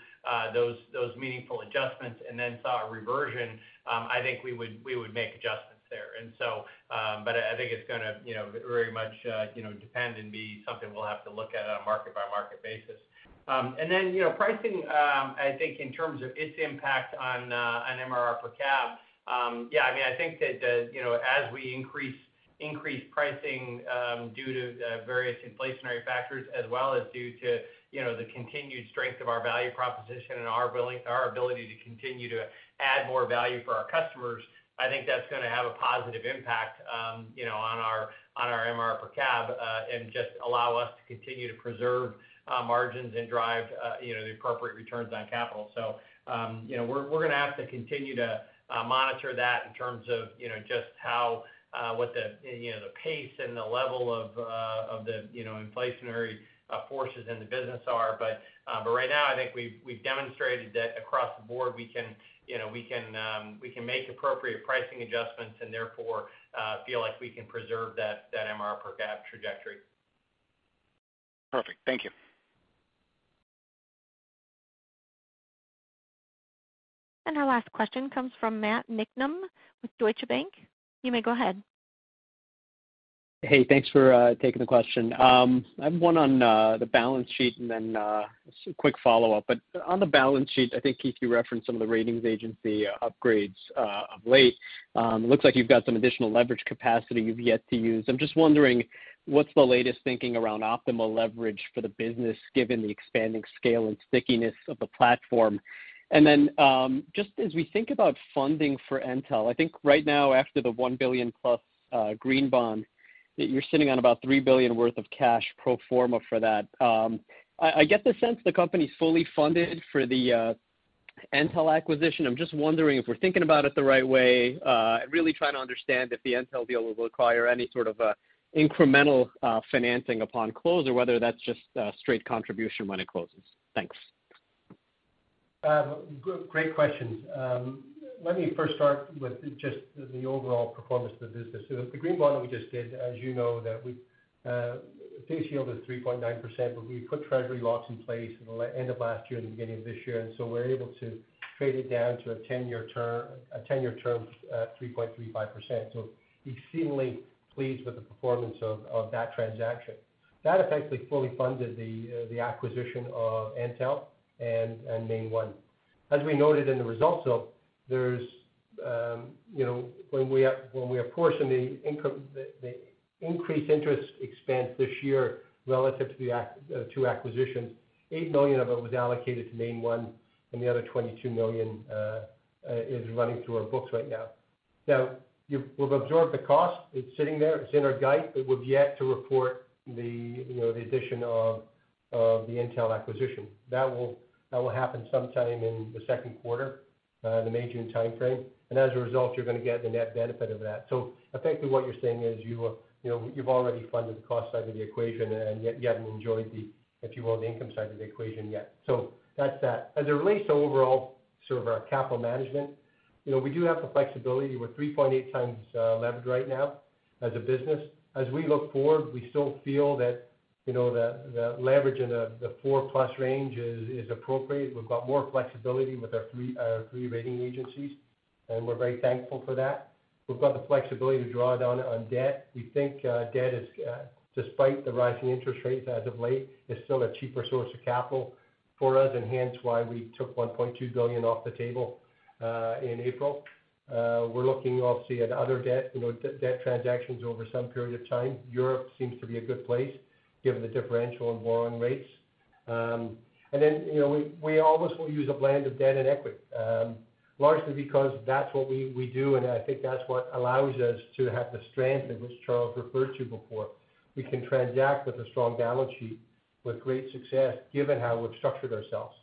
those meaningful adjustments and then saw a reversion, I think we would make adjustments there. I think it's gonna, you know, very much, you know, depend and be something we'll have to look at on a market by market basis. You know, pricing, I think in terms of its impact on MRR per cab, yeah, I mean, I think that, you know, as we increase pricing due to various inflationary factors as well as due to, you know, the continued strength of our value proposition and our ability to continue to add more value for our customers, I think that's gonna have a positive impact, you know, on our MRR per cab, and just allow us to continue to preserve margins and drive, you know, the appropriate returns on capital. You know, we're gonna have to continue to monitor that in terms of, you know, just how what the, you know, the pace and the level of of the, you know, inflationary forces in the business are. Right now, I think we've demonstrated that across the board, we can, you know, we can make appropriate pricing adjustments and therefore feel like we can preserve that MRR per cab trajectory. Perfect. Thank you. Our last question comes from Matt Niknam with Deutsche Bank. You may go ahead. Hey, thanks for taking the question. I have one on the balance sheet and then just a quick follow-up. On the balance sheet, I think, Keith, you referenced some of the ratings agency upgrades of late. It looks like you've got some additional leverage capacity you've yet to use. I'm just wondering what's the latest thinking around optimal leverage for the business given the expanding scale and stickiness of the platform? Then, just as we think about funding for Entel, I think right now after the $1 billion+ green bond, that you're sitting on about $3 billion worth of cash pro forma for that. I get the sense the company's fully funded for the Entel acquisition. I'm just wondering if we're thinking about it the right way, really trying to understand if the Entel deal will require any sort of, incremental, financing upon close or whether that's just, straight contribution when it closes. Thanks. Great questions. Let me first start with just the overall performance of the business. The green bond that we just did, as you know, the face yield is 3.9%, but we put treasury locks in place in the end of last year and the beginning of this year, and so we're able to trade it down to a ten-year term at 3.35%. Exceedingly pleased with the performance of that transaction. That effectively fully funded the acquisition of Entel and MainOne. As we noted in the results, though, there's you know, when we are, when we apportion the income, the increased interest expense this year relative to the two acquisitions, $8 million of it was allocated to MainOne, and the other $22 million is running through our books right now. Now, we've absorbed the cost. It's sitting there, it's in our GIC. It would be yet to report the you know, the addition of the Entel acquisition. That will happen sometime in the second quarter, the May, June timeframe. As a result, you're gonna get the net benefit of that. Effectively, what you're saying is you know, you've already funded the cost side of the equation and yet you haven't enjoyed the, if you will, the income side of the equation yet. That's that. As it relates to overall sort of our capital management. You know, we do have the flexibility. We're 3.8 times levered right now as a business. As we look forward, we still feel that, you know, the leverage in the 4+ range is appropriate. We've got more flexibility with our three rating agencies, and we're very thankful for that. We've got the flexibility to draw down on debt. We think, debt is, despite the rising interest rates as of late, still a cheaper source of capital for us, and hence why we took $1.2 billion off the table in April. We're looking obviously at other debt, you know, debt transactions over some period of time. Europe seems to be a good place given the differential in borrowing rates. You know, we always will use a blend of debt and equity, largely because that's what we do, and I think that's what allows us to have the strength in which Charles referred to before. We can transact with a strong balance sheet with great success given how we've structured ourselves.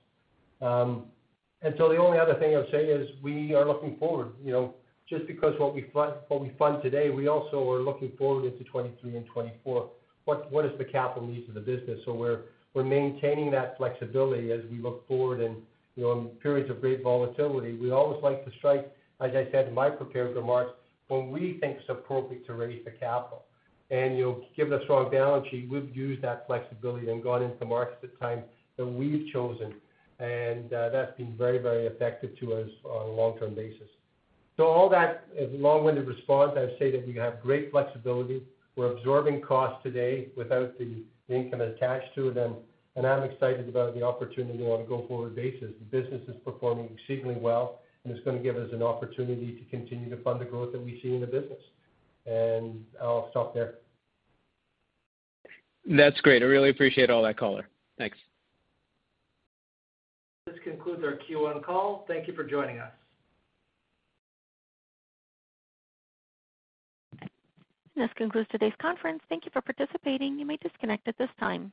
The only other thing I'll say is we are looking forward. You know, just because what we fund today, we also are looking forward into 2023 and 2024. What is the capital needs of the business? We're maintaining that flexibility as we look forward and, you know, in periods of great volatility, we always like to strike, as I said in my prepared remarks, when we think it's appropriate to raise the capital. You know, given the strong balance sheet, we've used that flexibility and gone into the markets at times that we've chosen. That's been very, very effective to us on a long-term basis. All that is a long-winded response. I say that we have great flexibility. We're absorbing costs today without the income attached to them, and I'm excited about the opportunity on a go-forward basis. The business is performing exceedingly well, and it's gonna give us an opportunity to continue to fund the growth that we see in the business. I'll stop there. That's great. I really appreciate all that color. Thanks. This concludes our Q1 call. Thank you for joining us. This concludes today's conference. Thank you for participating. You may disconnect at this time.